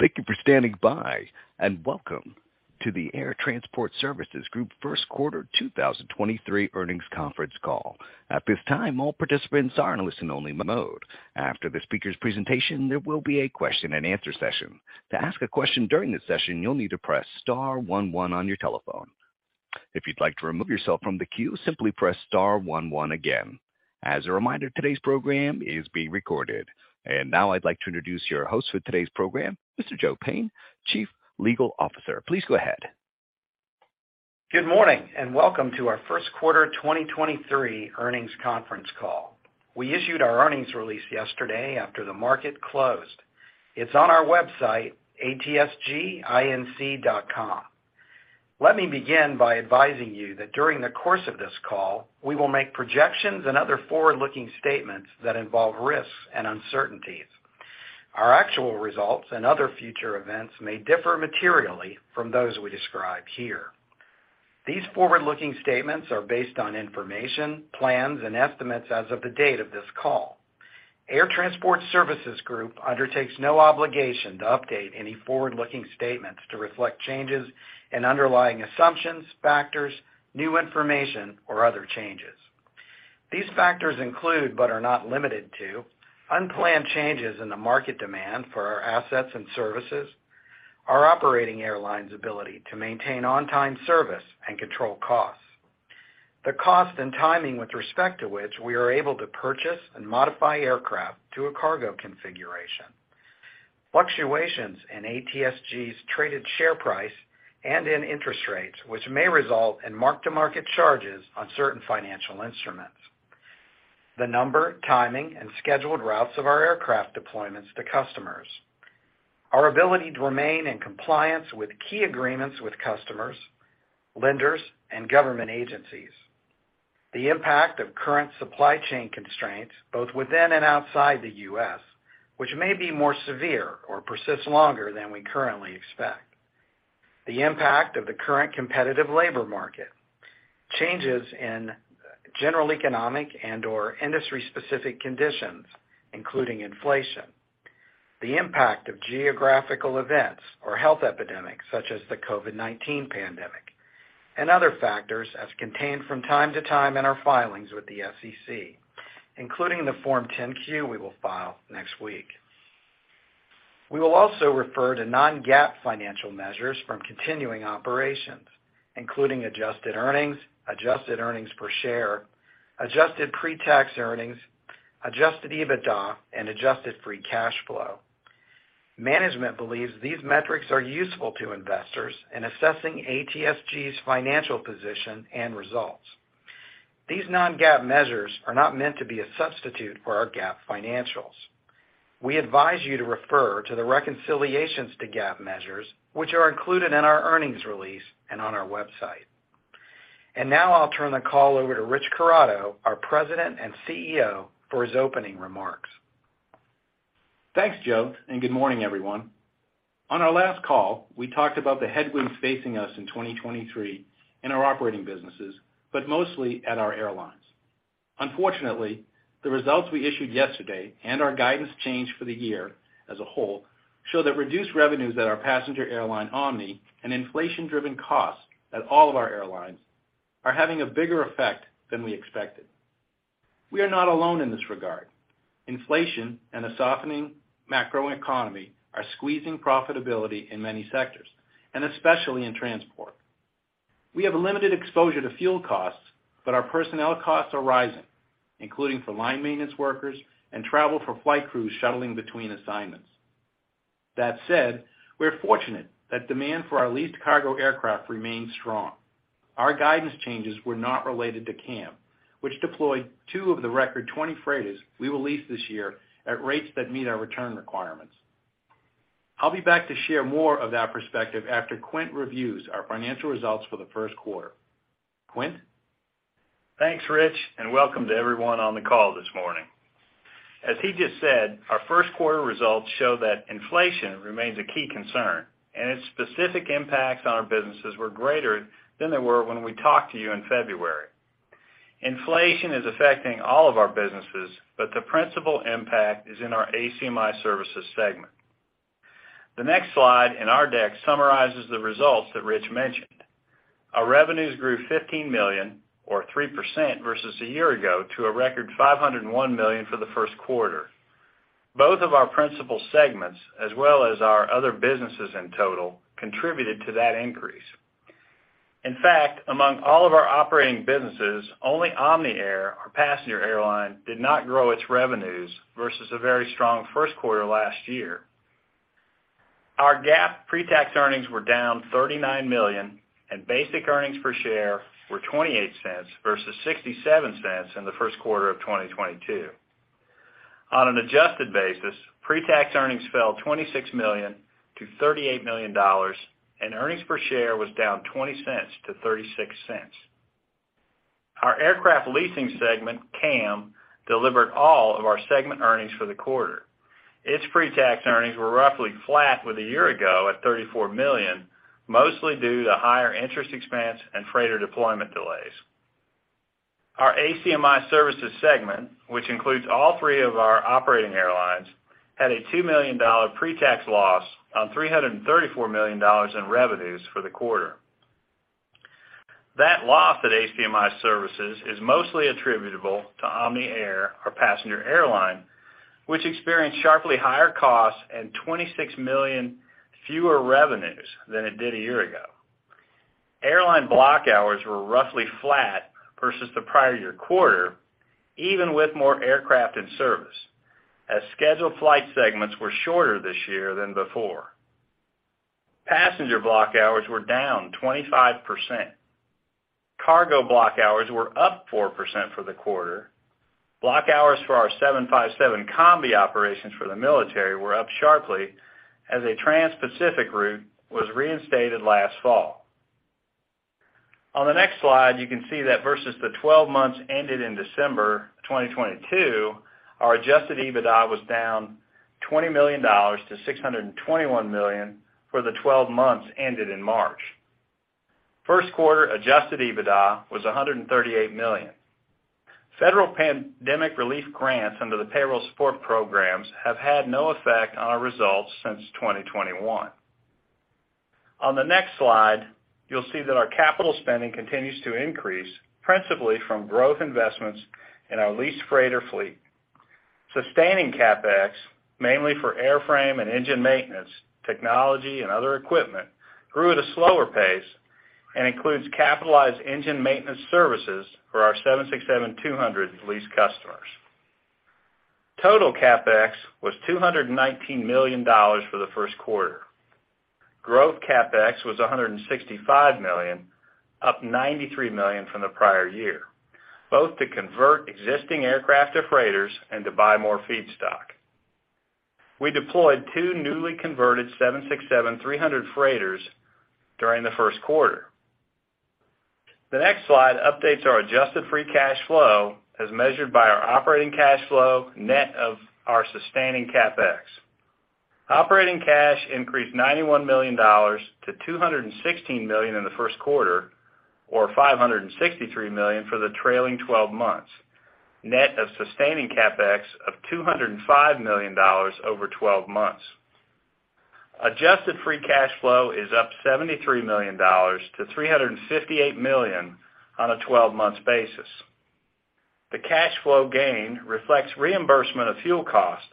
Thank you for standing by, welcome to the Air Transport Services Group First Quarter 2023 Earnings Conference Call. At this time, all participants are in listen-only mode. After the speaker's presentation, there will be a question-and-answer session. To ask a question during this session, you'll need to press star one one on your telephone. If you'd like to remove yourself from the queue, simply press star one one again. As a reminder, today's program is being recorded. Now I'd like to introduce your host for today's program, Mr. Joe Payne, Chief Legal Officer. Please go ahead. Good morning, welcome to our first quarter 2023 earnings conference call. We issued our earnings release yesterday after the market closed. It's on our website, atsginc.com. Let me begin by advising you that during the course of this call, we will make projections and other forward-looking statements that involve risks and uncertainties. Our actual results and other future events may differ materially from those we describe here. These forward-looking statements are based on information, plans, and estimates as of the date of this call. Air Transport Services Group undertakes no obligation to update any forward-looking statements to reflect changes in underlying assumptions, factors, new information, or other changes. These factors include, are not limited to, unplanned changes in the market demand for our assets and services, our operating airline's ability to maintain on-time service and control costs. The cost and timing with respect to which we are able to purchase and modify aircraft to a cargo configuration. Fluctuations in ATSG's traded share price and in interest rates, which may result in mark-to-market charges on certain financial instruments. The number, timing, and scheduled routes of our aircraft deployments to customers. Our ability to remain in compliance with key agreements with customers, lenders, and government agencies. The impact of current supply chain constraints, both within and outside the U.S., which may be more severe or persist longer than we currently expect. The impact of the current competitive labor market. Changes in general economic and/or industry-specific conditions, including inflation. The impact of geographical events or health epidemics such as the COVID-19 pandemic, and other factors as contained from time to time in our filings with the SEC, including the Form 10-Q we will file next week. We will also refer to non-GAAP financial measures from continuing operations, including Adjusted earnings, Adjusted earnings per share, Adjusted pre-tax earnings, Adjusted EBITDA, and adjusted free cash flow. Management believes these metrics are useful to investors in assessing ATSG's financial position and results. These non-GAAP measures are not meant to be a substitute for our GAAP financials. We advise you to refer to the reconciliations to GAAP measures, which are included in our earnings release and on our website. Now I'll turn the call over to Rich Corrado, our President and CEO, for his opening remarks. Thanks, Joe. Good morning, everyone. On our last call, we talked about the headwinds facing us in 2023 in our operating businesses, but mostly at our airlines. Unfortunately, the results we issued yesterday and our guidance change for the year as a whole show that reduced revenues at our passenger airline, Omni, and inflation-driven costs at all of our airlines are having a bigger effect than we expected. We are not alone in this regard. Inflation and a softening macroeconomy are squeezing profitability in many sectors, and especially in transport. We have a limited exposure to fuel costs, but our personnel costs are rising, including for line maintenance workers and travel for flight crews shuttling between assignments. That said, we're fortunate that demand for our leased cargo aircraft remains strong. Our guidance changes were not related to CAM, which deployed two of the record 20 freighters we will lease this year at rates that meet our return requirements. I'll be back to share more of that perspective after Quint reviews our financial results for the first quarter. Quint? Thanks, Rich, and welcome to everyone on the call this morning. As he just said, our first quarter results show that inflation remains a key concern, and its specific impacts on our businesses were greater than they were when we talked to you in February. Inflation is affecting all of our businesses, but the principal impact is in our ACMI services segment. The next slide in our deck summarizes the results that Rich mentioned. Our revenues grew $15 million or 3% versus a year ago to a record $501 million for the first quarter. Both of our principal segments, as well as our other businesses in total, contributed to that increase. In fact, among all of our operating businesses, only Omni Air, our passenger airline, did not grow its revenues versus a very strong first quarter last year. Our GAAP pre-tax earnings were down $39 million, and basic earnings per share were $0.28 versus $0.67 in the first quarter of 2022. On an adjusted basis, pre-tax earnings fell $26 million-$38 million, and earnings per share was down $0.20 to $0.36. Our aircraft leasing segment, CAM, delivered all of our segment earnings for the quarter. Its pre-tax earnings were roughly flat with a year ago at $34 million, mostly due to higher interest expense and freighter deployment delays. Our ACMI Services segment, which includes all three of our operating airlines, had a $2 million pre-tax loss on $334 million in revenues for the quarter. That loss at ACMI Services is mostly attributable to Omni Air, our passenger airline, which experienced sharply higher costs and $26 million fewer revenues than it did a year ago. Airline block hours were roughly flat versus the prior year quarter, even with more aircraft in service, as scheduled flight segments were shorter this year than before. Passenger block hours were down 25%. Cargo block hours were up 4% for the quarter. Block hours for our 757 combi operations for the military were up sharply as a Transpacific route was reinstated last fall. On the next slide, you can see that versus the 12 months ended in December 2022, our Adjusted EBITDA was down $20 million to $621 million for the 12 months ended in March. First quarter Adjusted EBITDA was $138 million. Federal pandemic relief grants under the Payroll Support Program have had no effect on our results since 2021. On the next slide, you'll see that our capital spending continues to increase, principally from growth investments in our leased freighter fleet. Sustaining CapEx, mainly for airframe and engine maintenance, technology and other equipment, grew at a slower pace and includes capitalized engine maintenance services for our 767-200 lease customers. Total CapEx was $219 million for the first quarter. Growth CapEx was $165 million, up $93 million from the prior year, both to convert existing aircraft to freighters and to buy more feedstock. We deployed two newly converted 767-300 freighters during the first quarter. The next slide updates our adjusted free cash flow as measured by our operating cash flow, net of our sustaining CapEx. Operating cash increased $91 million-$216 million in the first quarter, or $563 million for the trailing 12 months, net of sustaining CapEx of $205 million over 12 months. Adjusted free cash flow is up $73 million-$358 million on a 12-month basis. The cash flow gain reflects reimbursement of fuel cost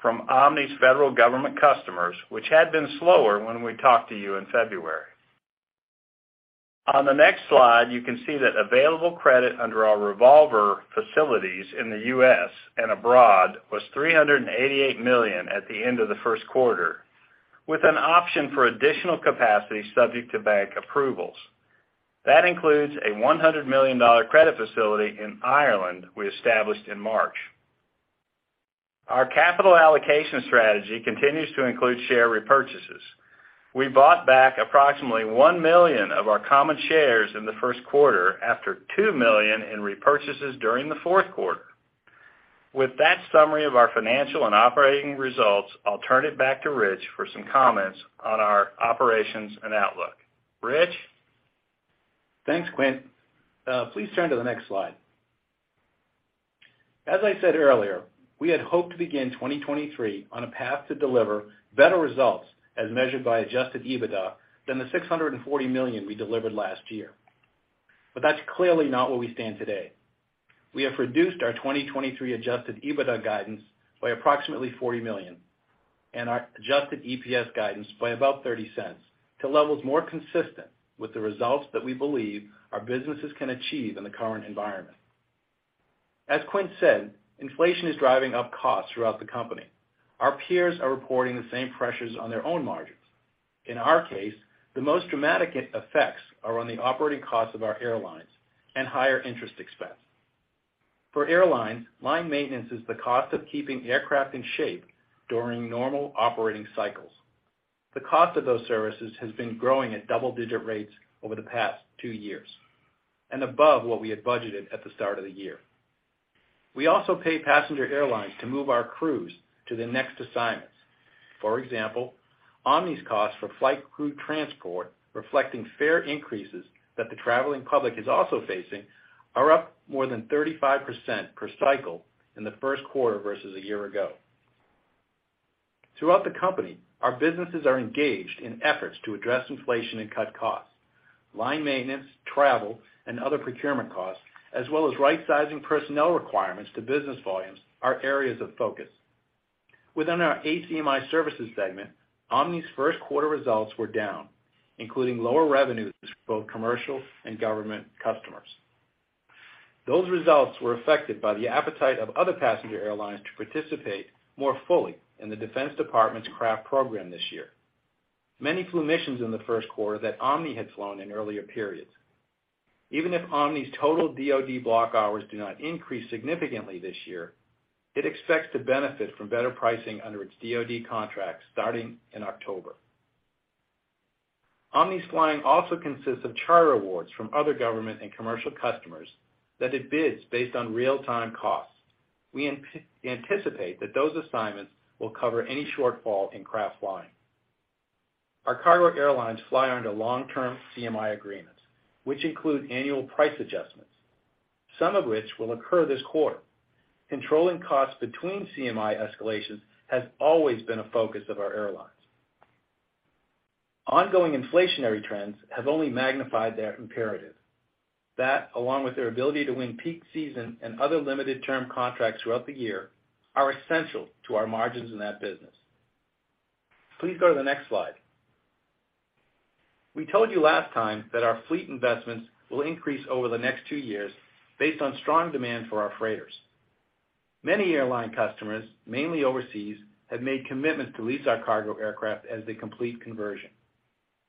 from Omni's federal government customers, which had been slower when we talked to you in February. On the next slide, you can see that available credit under our revolver facilities in the U.S. and abroad was $388 million at the end of the first quarter, with an option for additional capacity subject to bank approvals. That includes a $100 million credit facility in Ireland we established in March. Our capital allocation strategy continues to include share repurchases. We bought back approximately $1 million of our common shares in the first quarter after $2 million in repurchases during the fourth quarter. With that summary of our financial and operating results, I'll turn it back to Rich for some comments on our operations and outlook. Rich? Thanks, Quint. Please turn to the next slide. As I said earlier, we had hoped to begin 2023 on a path to deliver better results as measured by Adjusted EBITDA than the $640 million we delivered last year. That's clearly not where we stand today. We have reduced our 2023 Adjusted EBITDA guidance by approximately $40 million and our Adjusted EPS guidance by about $0.30 to levels more consistent with the results that we believe our businesses can achieve in the current environment. As Quint said, inflation is driving up costs throughout the company. Our peers are reporting the same pressures on their own margins. In our case, the most dramatic effects are on the operating costs of our airlines and higher interest expense. For airlines, line maintenance is the cost of keeping aircraft in shape during normal operating cycles. The cost of those services has been growing at double-digit rates over the past two years and above what we had budgeted at the start of the year. We also pay passenger airlines to move our crews to the next assignments. For example, Omni's cost for flight crew transport, reflecting fare increases that the traveling public is also facing, are up more than 35% per cycle in the first quarter versus a year ago. Throughout the company, our businesses are engaged in efforts to address inflation and cut costs. Line maintenance, travel, and other procurement costs, as well as right-sizing personnel requirements to business volumes are areas of focus. Within our ACMI Services segment, Omni's first quarter results were down, including lower revenues to both commercial and government customers. Those results were affected by the appetite of other passenger airlines to participate more fully in the Defense Department's CRAF program this year. Many flew missions in the first quarter that Omni had flown in earlier periods. Even if Omni's total DoD block hours do not increase significantly this year, it expects to benefit from better pricing under its DoD contract starting in October. Omni's flying also consists of charter awards from other government and commercial customers that it bids based on real-time costs. We anticipate that those assignments will cover any shortfall in CRAF flying. Our cargo airlines fly under long-term CMI agreements, which include annual price adjustments, some of which will occur this quarter. Controlling costs between CMI escalations has always been a focus of our airlines. Ongoing inflationary trends have only magnified their imperative. That, along with their ability to win peak season and other limited-term contracts throughout the year, are essential to our margins in that business. Please go to the next slide. We told you last time that our fleet investments will increase over the next two years based on strong demand for our freighters. Many airline customers, mainly overseas, have made commitments to lease our cargo aircraft as they complete conversion.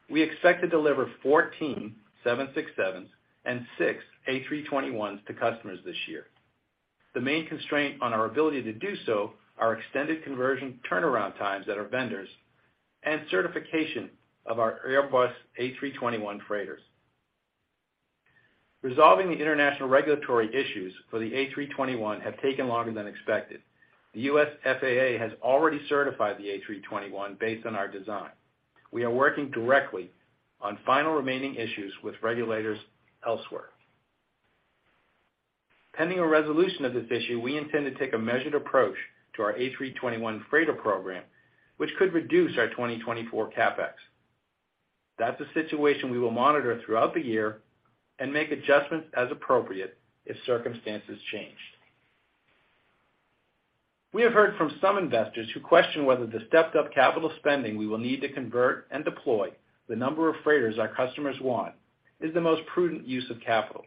We expect to deliver 14 767s and 6 A321s to customers this year. The main constraint on our ability to do so are extended conversion turnaround times at our vendors and certification of our Airbus A321 freighters. Resolving the international regulatory issues for the A321 have taken longer than expected. The U.S. FAA has already certified the A321 based on our design. We are working directly on final remaining issues with regulators elsewhere. Pending a resolution of this issue, we intend to take a measured approach to our A321 freighter program, which could reduce our 2024 CapEx. That's a situation we will monitor throughout the year and make adjustments as appropriate if circumstances change. We have heard from some investors who question whether the stepped-up capital spending we will need to convert and deploy the number of freighters our customers want is the most prudent use of capital.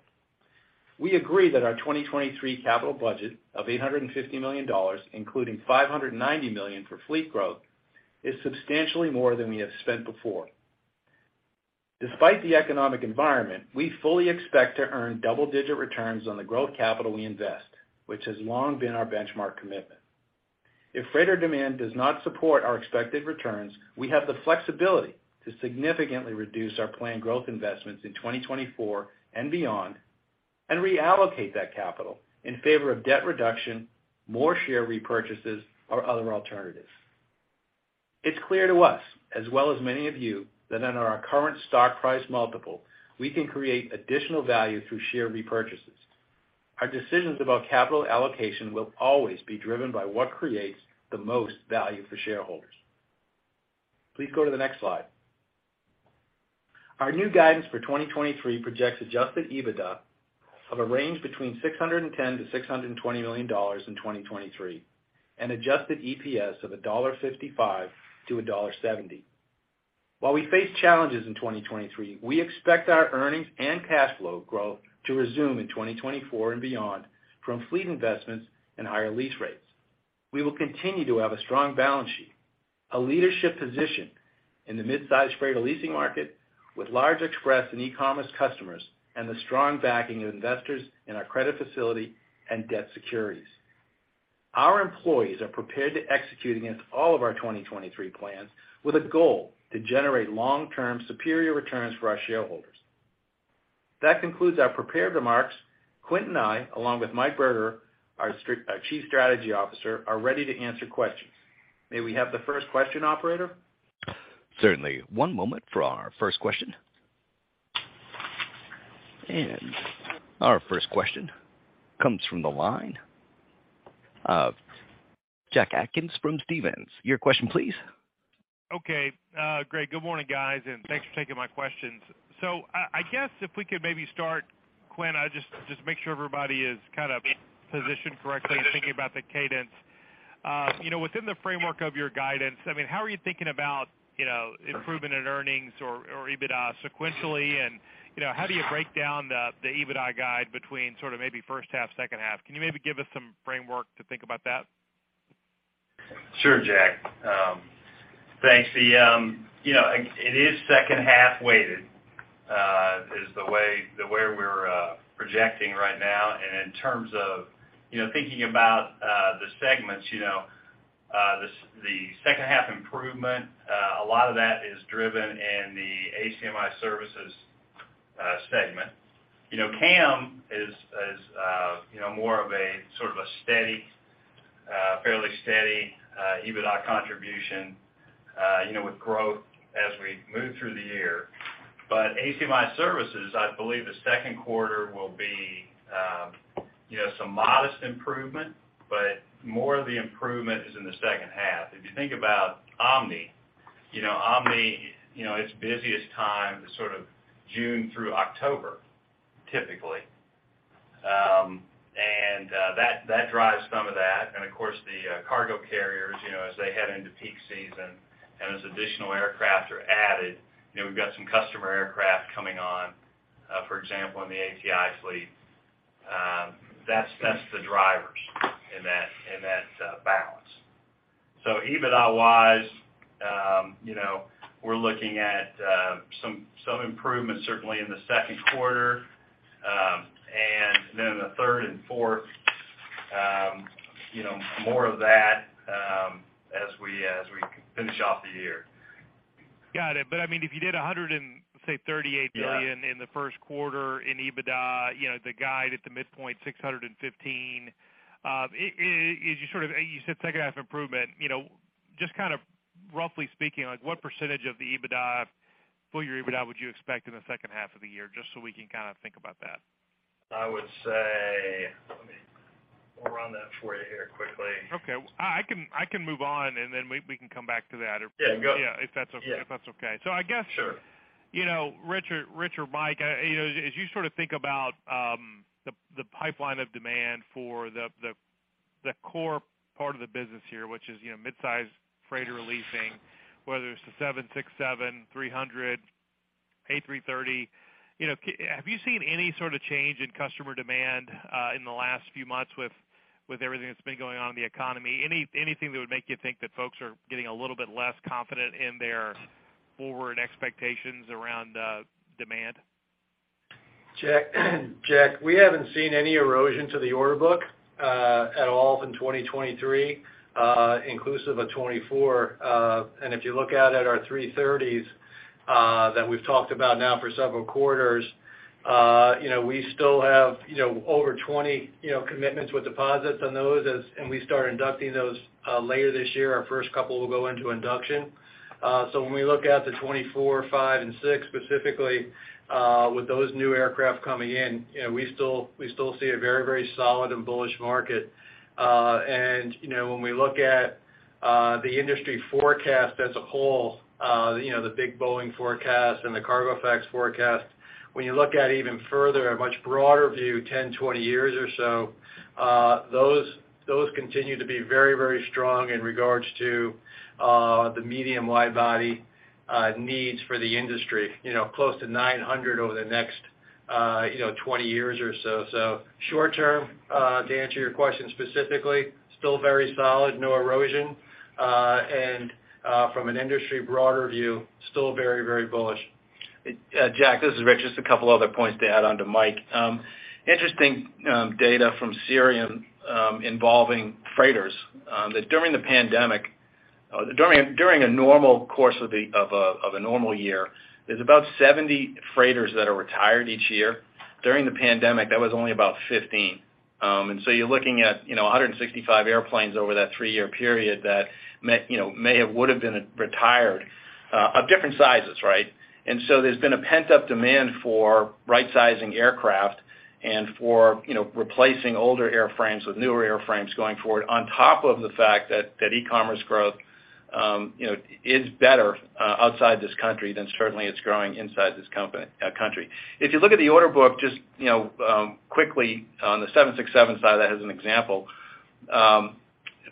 We agree that our 2023 capital budget of $850 million, including $590 million for fleet growth, is substantially more than we have spent before. Despite the economic environment, we fully expect to earn double-digit returns on the growth capital we invest, which has long been our benchmark commitment. If freighter demand does not support our expected returns, we have the flexibility to significantly reduce our planned growth investments in 2024 and beyond and reallocate that capital in favor of debt reduction, more share repurchases, or other alternatives. It's clear to us, as well as many of you, that on our current stock price multiple, we can create additional value through share repurchases. Our decisions about capital allocation will always be driven by what creates the most value for shareholders. Please go to the next slide. Our new guidance for 2023 projects Adjusted EBITDA of a range between $610 million-$620 million in 2023, and Adjusted EPS of $1.55-$1.70. While we face challenges in 2023, we expect our earnings and cash flow growth to resume in 2024 and beyond from fleet investments and higher lease rates. We will continue to have a strong balance sheet, a leadership position in the midsize freighter leasing market with large express and E-commerce customers, and the strong backing of investors in our credit facility and debt securities. Our employees are prepared to execute against all of our 2023 plans with a goal to generate long-term superior returns for our shareholders. That concludes our prepared remarks. Quint and I, along with Mike Berger, our Chief Strategy Officer, are ready to answer questions. May we have the first question, operator? Certainly. One moment for our first question. Our first question comes from the line of Jack Atkins from Stephens. Your question, please. Okay. Great. Good morning, guys, and thanks for taking my questions. I guess if we could maybe start, Quint, just make sure everybody is kind of positioned correctly in thinking about the cadence, you know, within the framework of your guidance. I mean, how are you thinking about, you know, improvement in earnings or EBITDA sequentially? You know, how do you break down the EBITDA guide between sort of maybe first half, second half? Can you maybe give us some framework to think about that? Sure, Jack. Thanks. The, you know, it is second half weighted, is the way we're projecting right now. In terms of, you know, thinking about the segments, you know, the second half improvement, a lot of that is driven in the ACMI services segment. You know, CAM is, you know, more of a sort of a steady, fairly steady EBITDA contribution, you know, with growth as we move through the year. ACMI services, I believe the second quarter will be, you know, some modest improvement, but more of the improvement is in the second half. If you think about Omni, you know, Omni, you know, its busiest time is sort of June through October, typically. That drives some of that. Of course, the cargo carriers, you know, as they head into peak season and as additional aircraft are added, you know, we've got some customer aircraft coming on, for example, in the ATI fleet, that's the drivers in that balance. EBITDA-wise, you know, we're looking at some improvement certainly in the second quarter. In the third and fourth, you know, more of that as we finish off the year. Got it. I mean, if you did $138 billion... Yeah... in the first quarter in EBITDA, you know, the guide at the midpoint $615. Is, you said second half improvement, you know, just kind of roughly speaking, like what % of the EBITDA, full year EBITDA would you expect in the second half of the year? Just so we can kind of think about that. I would say. Let me run that for you here quickly. Okay. I can move on, and then we can come back to that. Yeah, go. Yeah, if that's okay. Sure. I guess, you know, Rich or Mike, you know, as you sort of think about, the pipeline of demand for the core part of the business here, which is, you know, mid-size freighter leasing, whether it's the 767-300, A330. You know, have you seen any sort of change in customer demand in the last few months with everything that's been going on in the economy? Anything that would make you think that folks are getting a little bit less confident in their forward expectations around demand? Jack, we haven't seen any erosion to the order book at all in 2023, inclusive of 2024. If you look out at our 330s that we've talked about now for several quarters, you know, we still have, you know, over 20, you know, commitments with deposits on those and we start inducting those later this year. Our first couple will go into induction. When we look at the 2024, 2025, and 2026, specifically, with those new aircraft coming in, you know, we still see a very, very solid and bullish market. You know, when we look at the industry forecast as a whole, you know, the big Boeing forecast and the Cargo Facts forecast. When you look at even further, a much broader view, 10, 20 years or so, those continue to be very, very strong in regards to the medium wide body needs for the industry. You know, close to 900 over the next, you know, 20 years or so. Short term, to answer your question specifically, still very solid, no erosion. From an industry broader view, still very, very bullish. Jack, this is Rich. Just a couple other points to add on to Mike. Interesting data from Cirium involving freighters that during a normal course of a normal year, there's about 70 freighters that are retired each year. During the pandemic, that was only about 15. You're looking at, you know, 165 airplanes over that three year period that may have would have been retired of different sizes, right? There's been a pent-up demand for right-sizing aircraft and for, you know, replacing older airframes with newer airframes going forward, on top of the fact that E-commerce growth, you know, is better outside this country than certainly it's growing inside this country. If you look at the order book, just, you know, quickly on the 767 side as an example,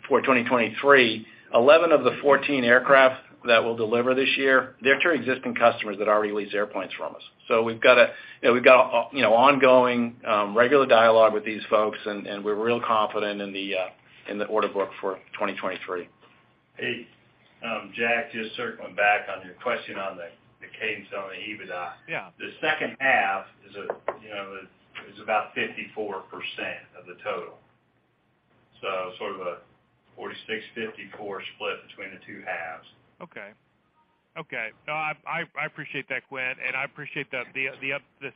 for 2023, 11 of the 14 aircraft that we'll deliver this year, they're to existing customers that already lease airplanes from us. We've got a, you know, ongoing, regular dialogue with these folks, and we're real confident in the order book for 2023. Hey, Jack, just circling back on your question on the cadence on the EBITDA. Yeah. The second half is a, you know, is about 54% of the total. Sort of a 46-54 split between the two halves. Okay. Okay. No, I, I appreciate that, Quint, and I appreciate the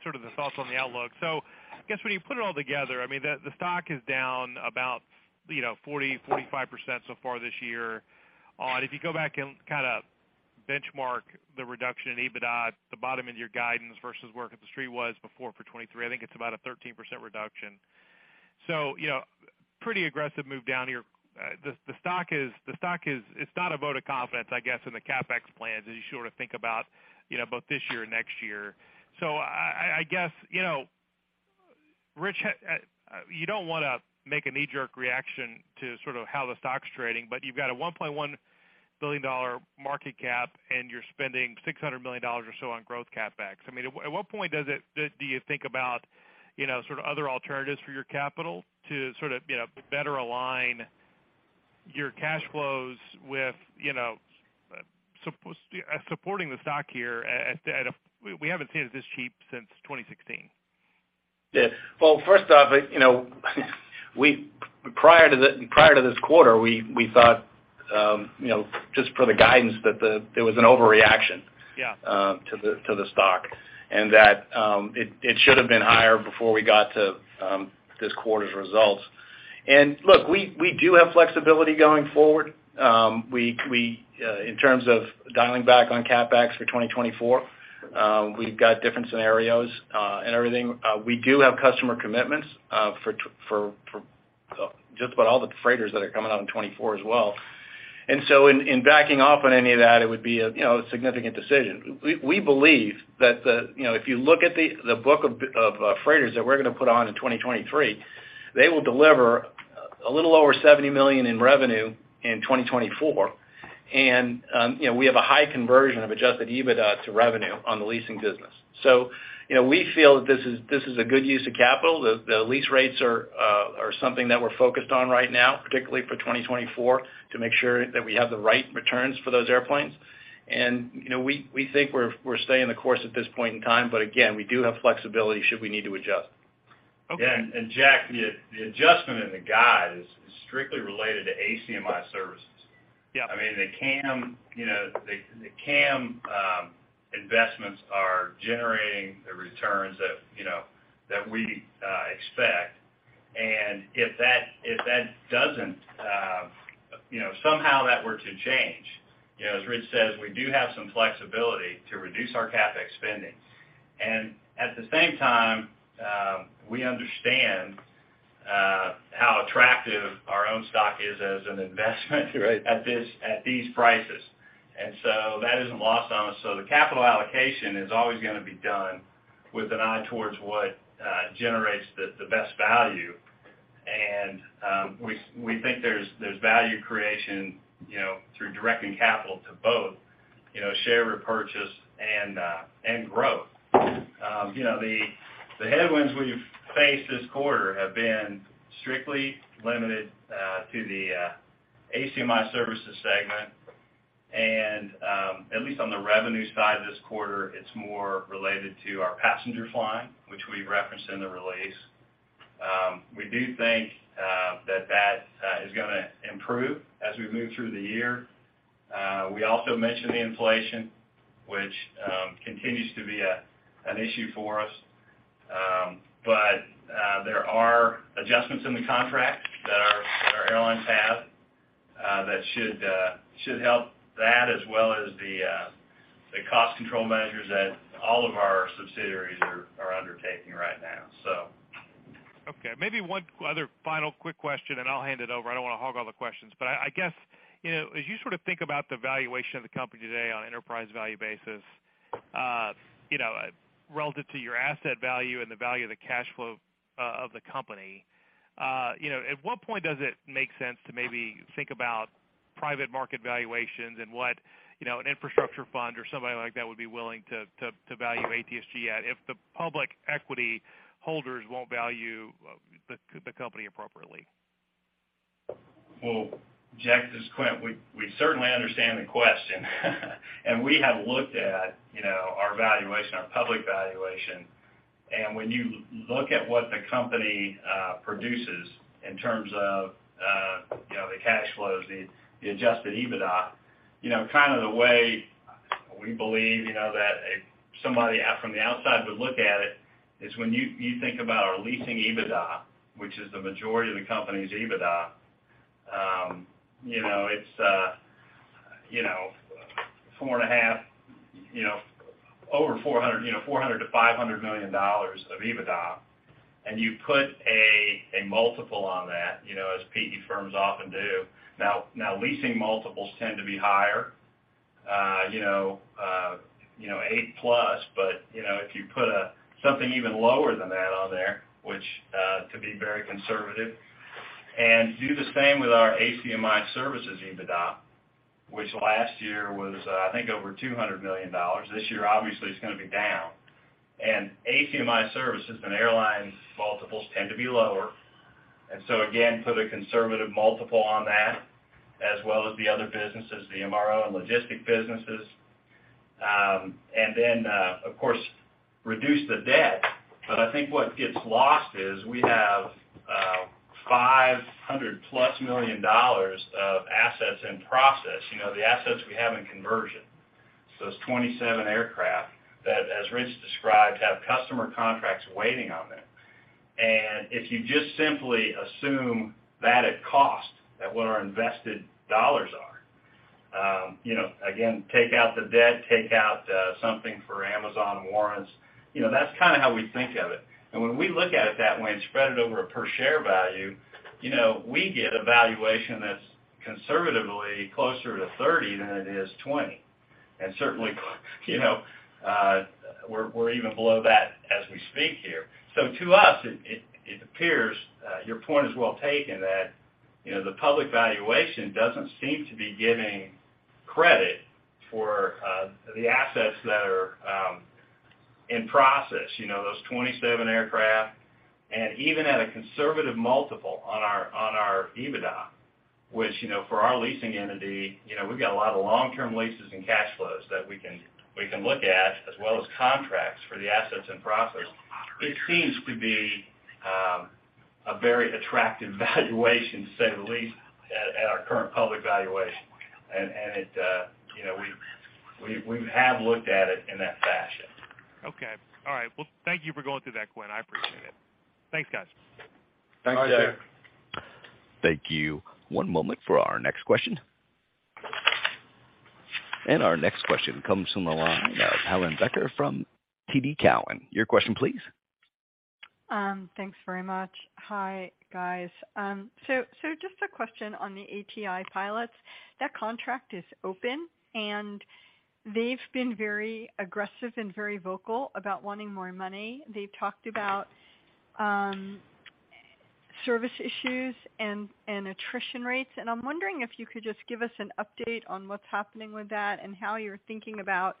sort of the thoughts on the outlook. I guess when you put it all together, I mean, the stock is down about, you know, 40%-45% so far this year. If you go back and kind of benchmark the reduction in EBITDA at the bottom of your guidance versus where The Street was before for 2023, I think it's about a 13% reduction. You know, pretty aggressive move down here. The stock is... It's not a vote of confidence, I guess, in the CapEx plans as you sort of think about, you know, both this year and next year. I guess, you know, Rich, you don't wanna make a knee jerk reaction to sort of how the stock's trading, but you've got a $1.1 billion market cap, and you're spending $600 million or so on growth CapEx. I mean, at what point do you think about, you know, sort of other alternatives for your capital to sort of, you know, better align your cash flows with, you know, supporting the stock here at a? We haven't seen it this cheap since 2016. Yeah. Well, first off, you know, prior to this quarter, we thought, you know, just for the guidance, there was an overreaction... Yeah... to the stock, and that, it should have been higher before we got to this quarter's results. We do have flexibility going forward. In terms of dialing back on CapEx for 2024, we've got different scenarios and everything. We do have customer commitments for just about all the freighters that are coming out in 2024 as well. In backing off on any of that, it would be a, you know, a significant decision. We believe that, you know, if you look at the book of freighters that we're gonna put on in 2023, they will deliver a little over $70 million in revenue in 2024. You know, we have a high conversion of Adjusted EBITDA to revenue on the leasing business. You know, we feel that this is a good use of capital. The lease rates are something that we're focused on right now, particularly for 2024, to make sure that we have the right returns for those airplanes. You know, we think we're staying the course at this point in time, but again, we do have flexibility should we need to adjust. Okay. Jack, the adjustment in the guide is strictly related to ACMI services. I mean, the CAM, you know, the CAM, investments are generating the returns that, you know, that we expect. If that doesn't, you know, somehow that were to change, you know, as Rich says, we do have some flexibility to reduce our CapEx spending. At the same time, we understand, how attractive our own stock is as an investment. Right at these prices. That isn't lost on us. The capital allocation is always gonna be done with an eye towards what generates the best value. We think there's value creation, you know, through directing capital to both, you know, share repurchase and growth. You know, the headwinds we've faced this quarter have been strictly limited to the ACMI services segment. At least on the revenue side this quarter, it's more related to our passenger flying, which we referenced in the release. We do think that that is gonna improve as we move through the year. We also mentioned the inflation, which continues to be an issue for us. There are adjustments in the contract that our airlines have, that should help that as well as the cost control measures that all of our subsidiaries are undertaking right now. Okay, maybe one other final quick question, and I'll hand it over. I don't wanna hog all the questions. I guess, you know, as you sort of think about the valuation of the company today on enterprise value basis, you know, relative to your asset value and the value of the cash flow of the company, you know, at what point does it make sense to maybe think about private market valuations and what, you know, an infrastructure fund or somebody like that would be willing to value ATSG at if the public equity holders won't value the company appropriately? Well, Jack, this is Quint. We certainly understand the question. When you look at what the company produces in terms of, you know, the cash flows, the Adjusted EBITDA, you know, kind of the way we believe, you know, that if somebody from the outside would look at it, is when you think about our leasing EBITDA, which is the majority of the company's EBITDA, you know, it's, you know, four and a half, you know, over $400 million-$500 million of EBITDA, and you put a multiple on that, you know, as PE firms often do. Now, leasing multiples tend to be higher, you know, 8+. You know, if you put something even lower than that on there, which, to be very conservative, and do the same with our ACMI services EBITDA, which last year was, I think over $200 million. This year, obviously, it's going to be down. ACMI services and airlines multiples tend to be lower. Again, put a conservative multiple on that, as well as the other businesses, the MRO and logistic businesses. Then, of course, reduce the debt. I think what gets lost is we have $500+ million of assets in process, you know, the assets we have in conversion. It's 27 aircraft that, as Rich described, have customer contracts waiting on them. If you just simply assume that at cost, that what our invested dollars are, you know, again, take out the debt, take out something for Amazon warrants, you know, that's kind of how we think of it. When we look at it that way and spread it over a per share value, you know, we get a valuation that's conservatively closer to $30 than it is $20. Certainly, you know, we're even below that as we speak here. To us, it appears your point is well taken, that, you know, the public valuation doesn't seem to be giving credit for the assets that are in process, you know, those 27 aircraft. Even at a conservative multiple on our EBITDA, which, you know, for our leasing entity, you know, we've got a lot of long-term leases and cash flows that we can look at, as well as contracts for the assets in process. It seems to be a very attractive valuation, to say the least, at our current public valuation. It, you know, we have looked at it in that fashion. Okay. All right. Well, thank you for going through that, Quint. I appreciate it. Thanks, guys. Thanks, Jack. Thank you. One moment for our next question. Our next question comes from the line of Helane Becker from TD Cowen. Your question please. Thanks very much. Hi, guys. Just a question on the ATI pilots. That contract is open. They've been very aggressive and very vocal about wanting more money. They've talked about service issues and attrition rates. I'm wondering if you could just give us an update on what's happening with that and how you're thinking about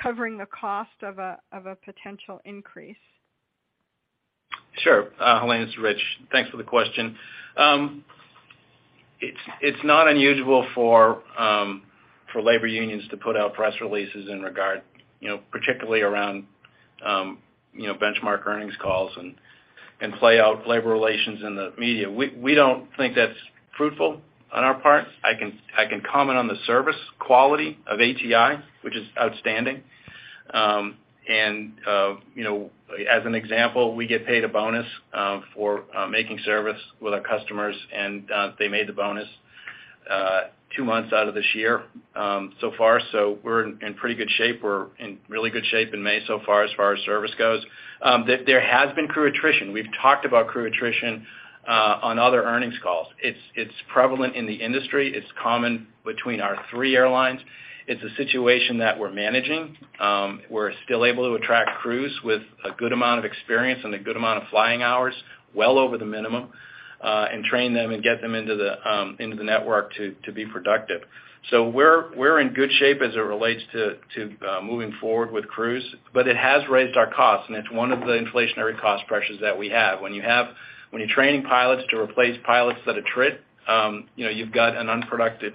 covering the cost of a potential increase? Sure. Helane, this is Rich. Thanks for the question. It's not unusual for. For labor unions to put out press releases in regard, you know, particularly around, you know, benchmark earnings calls and play out labor relations in the media. We don't think that's fruitful on our part. I can comment on the service quality of ATI, which is outstanding. You know, as an example, we get paid a bonus for making service with our customers, and they made the bonus two months out of this year so far. We're in pretty good shape. We're in really good shape in May so far as far as service goes. There has been crew attrition. We've talked about crew attrition on other earnings calls. It's prevalent in the industry. It's common between our three airlines. It's a situation that we're managing. We're still able to attract crews with a good amount of experience and a good amount of flying hours, well over the minimum, and train them and get them into the network to be productive. We're in good shape as it relates to moving forward with crews, but it has raised our costs, and it's one of the inflationary cost pressures that we have. When you're training pilots to replace pilots that attrit, you know, you've got an unproductive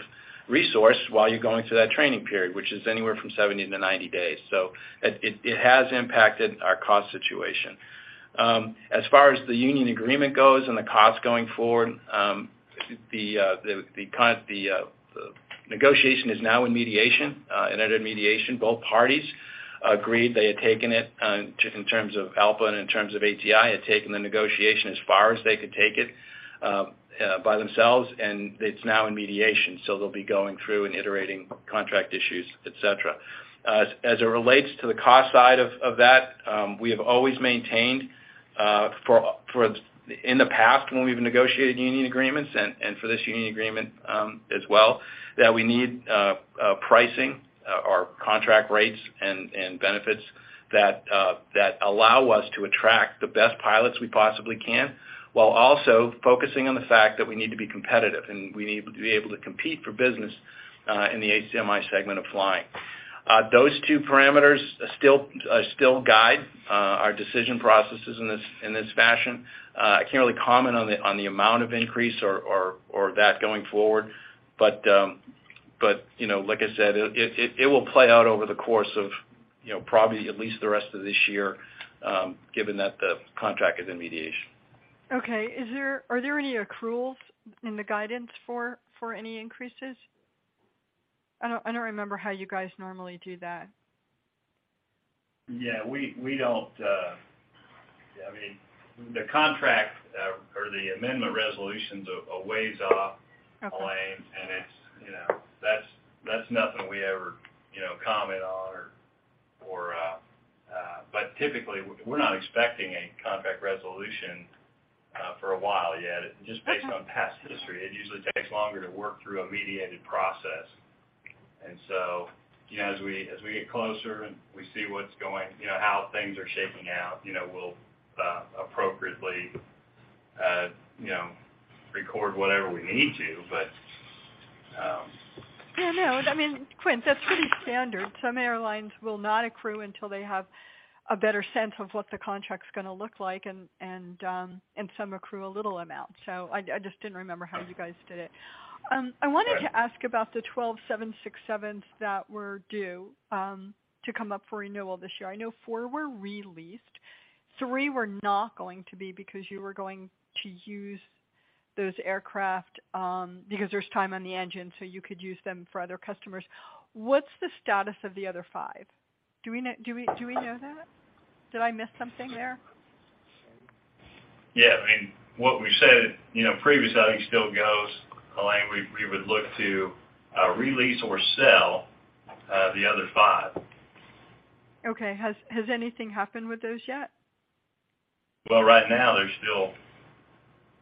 resource while you're going through that training period, which is anywhere from 70 to 90 days. It has impacted our cost situation. As far as the union agreement goes and the costs going forward, the negotiation is now in mediation and under mediation. Both parties agreed they had taken it, in terms of ALPA and in terms of ATI, had taken the negotiation as far as they could take it, by themselves, and it's now in mediation, so they'll be going through and iterating contract issues, et cetera. As it relates to the cost side of that, we have always maintained, for in the past when we've negotiated union agreements and for this union agreement, as well, that we need, pricing or contract rates and benefits that allow us to attract the best pilots we possibly can, while also focusing on the fact that we need to be competitive, and we need to be able to compete for business, in the ACMI segment of flying. Those two parameters still guide our decision processes in this fashion. I can't really comment on the amount of increase or that going forward, you know, like I said, it will play out over the course of, you know, probably at least the rest of this year, given that the contract is in mediation. Okay. Are there any accruals in the guidance for any increases? I don't remember how you guys normally do that. Yeah, we don't, I mean, the contract, or the amendment resolution's a ways off, Helane. Okay. It's, you know, That's nothing we ever, you know, comment on or. Typically, we're not expecting a contract resolution for a while yet, just based on past history. It usually takes longer to work through a mediated process. So, you know, as we get closer and we see what's going, you know, how things are shaping out, you know, we'll appropriately, you know, record whatever we need to. Yeah, no. I mean, Quint, that's pretty standard. Some airlines will not accrue until they have a better sense of what the contract's gonna look like, and some accrue a little amount. I just didn't remember how you guys did it. Right. I wanted to ask about the 12 767s that were due to come up for renewal this year. I know four were re-leased. Three were not going to be because you were going to use those aircraft because there's time on the engine, so you could use them for other customers. What's the status of the other five? Do we know that? Did I miss something there? Yeah. I mean, what we said, you know, previously still goes, Helane. We would look to re-lease or sell the other five. Okay. Has anything happened with those yet? Well, right now they're still.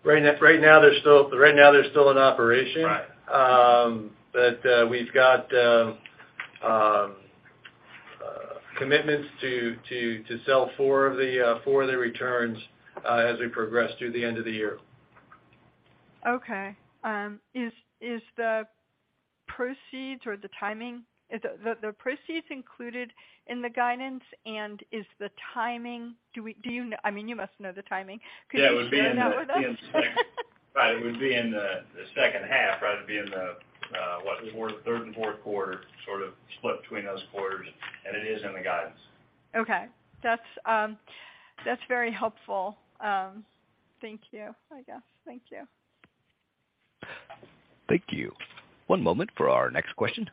Right now they're still in operation. Right. We've got commitments to sell four of the returns, as we progress through the end of the year. Okay. Is the proceeds included in the guidance, and is the timing... Do you know? I mean, you must know the timing. Could you share that with us? Yeah, it would be in the, Right, it would be in the second half. Right. It'd be in the, what? The quarter, third and fourth quarter, sort of split between those quarters, and it is in the guidance. Okay. That's, that's very helpful. Thank you, I guess. Thank you. Thank you. One moment for our next question.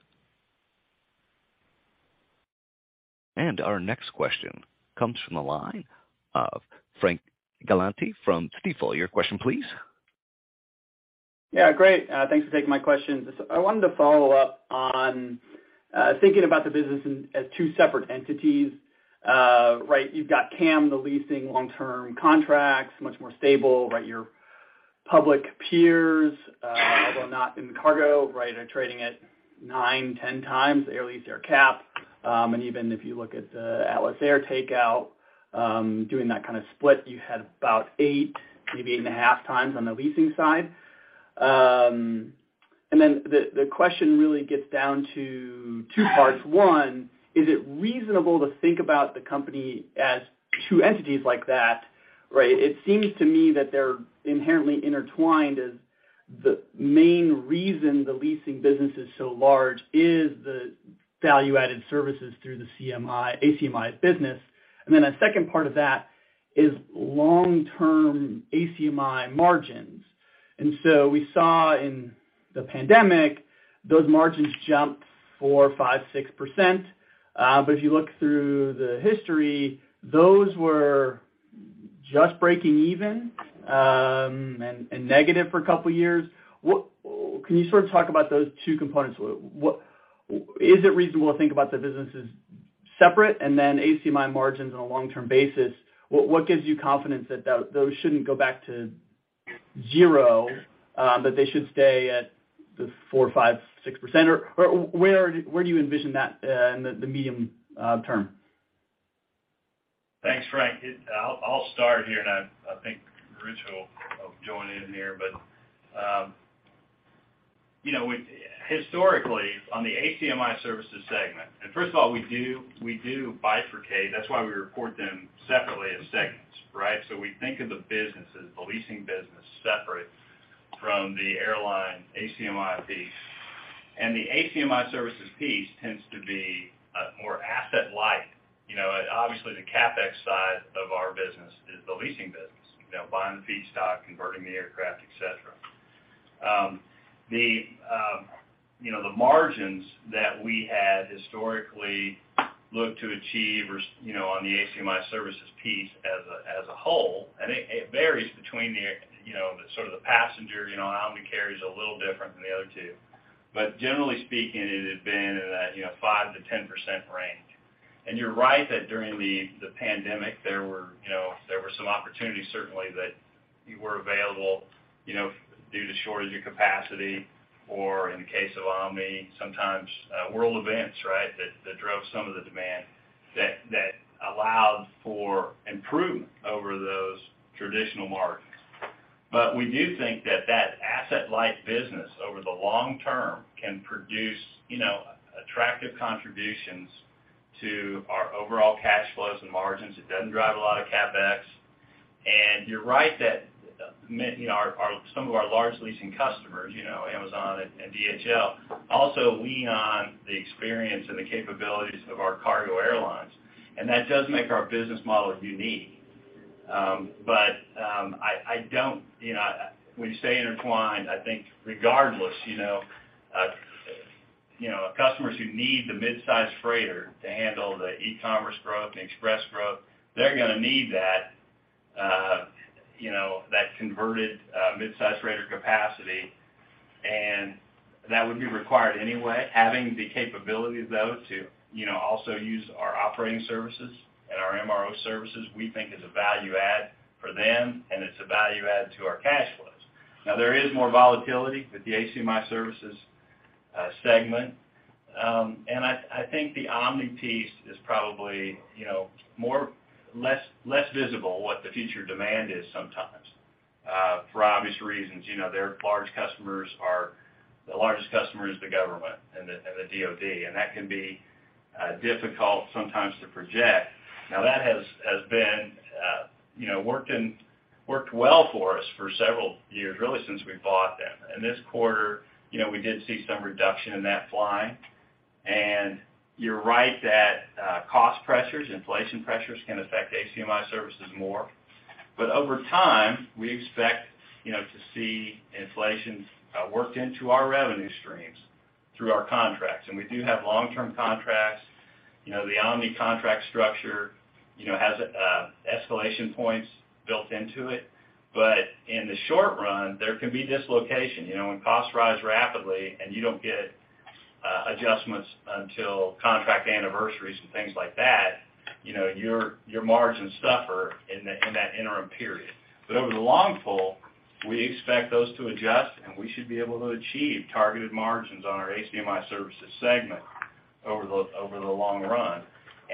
Our next question comes from the line of Frank Galanti from Stifel. Your question, please. Yeah, great. Thanks for taking my question. I wanted to follow up on thinking about the business in, as two separate entities. Right? You've got CAM, the leasing long-term contracts, much more stable. Right? Your public peers, although not in cargo, right, are trading at 9x, 10x the Air Lease, AerCap. Even if you look at the Atlas Air takeout, doing that kind of split, you had about 8, maybe 8.5x on the leasing side. The question really gets down to two parts. One, is it reasonable to think about the company as two entities like that, right? It seems to me that they're inherently intertwined as the main reason the leasing business is so large is the value-added services through the ACMI business. A second part of that is long-term ACMI margins. We saw in the pandemic, those margins jumped 4%, 5%, 6%. If you look through the history, those were just breaking even and negative for a couple of years. Can you sort of talk about those two components? Is it reasonable to think about the businesses separate and then ACMI margins on a long-term basis? What gives you confidence that those shouldn't go back to zero, they should stay at the 4%, 5%, 6%? Or where do you envision that in the medium term? Thanks, Frank. I'll start here, and I think Rich will join in here. You know, historically, on the ACMI Services segment. First of all, we do bifurcate. That's why we report them separately as segments, right? We think of the business as the leasing business separate from the airline ACMI piece. The ACMI services piece tends to be more asset light. You know, obviously, the CapEx side of our business is the leasing business, you know, buying the feedstock, converting the aircraft, et cetera. The, you know, the margins that we had historically looked to achieve, you know, on the ACMI services piece as a whole, and it varies between the, you know, the sort of the passenger, you know, Omni carrier is a little different than the other two. Generally speaking, it had been in a 5%-10% range. You're right that during the pandemic, there were some opportunities certainly that were available due to shortage of capacity, or in the case of Omni, sometimes world events, right, that drove some of the demand that allowed for improvement over those traditional margins. We do think that that asset-light business over the long term can produce attractive contributions to our overall cash flows and margins. It doesn't drive a lot of CapEx. You're right that our some of our large leasing customers, Amazon and DHL, also lean on the experience and the capabilities of our cargo airlines, and that does make our business model unique. I don't... You know, when you say intertwined, I think regardless, you know, customers who need the midsize freighter to handle the e-commerce growth and express growth, they're gonna need that, you know, that converted midsize freighter capacity, and that would be required anyway. Having the capability, though, to, you know, also use our operating services and our MRO services, we think is a value add for them, and it's a value add to our cash flows. Now, there is more volatility with the ACMI Services segment. I think the Omni piece is probably, you know, less visible what the future demand is sometimes for obvious reasons. You know, their large customers the largest customer is the government and the DoD, and that can be difficult sometimes to project. Now, that has been, you know, worked well for us for several years, really since we bought them. This quarter, you know, we did see some reduction in that flying. You're right that, cost pressures, inflation pressures can affect ACMI services more. Over time, we expect, you know, to see inflation, worked into our revenue streams through our contracts. We do have long-term contracts. You know, the Omni contract structure, you know, has escalation points built into it. In the short run, there can be dislocation. You know, when costs rise rapidly and you don't get adjustments until contract anniversaries and things like that, you know, your margins suffer in that interim period. Over the long pull, we expect those to adjust, and we should be able to achieve targeted margins on our ACMI services segment over the long run,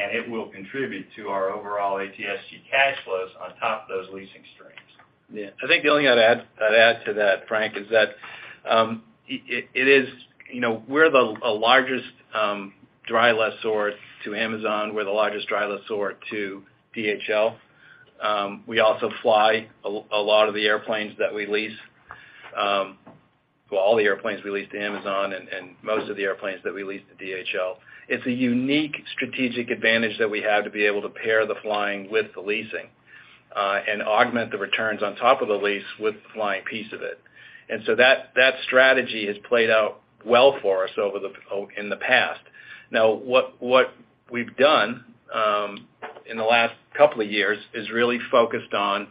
and it will contribute to our overall ATSG cash flows on top of those leasing streams. Yeah. I think the only thing I'd add to that, Frank, is that. You know, we're the largest dry lessor to Amazon. We're the largest dry lessor to DHL. We also fly a lot of the airplanes that we lease, well, all the airplanes we lease to Amazon and most of the airplanes that we lease to DHL. It's a unique strategic advantage that we have to be able to pair the flying with the leasing and augment the returns on top of the lease with the flying piece of it. That strategy has played out well for us over in the past. Now, what we've done in the last couple of years is really focused on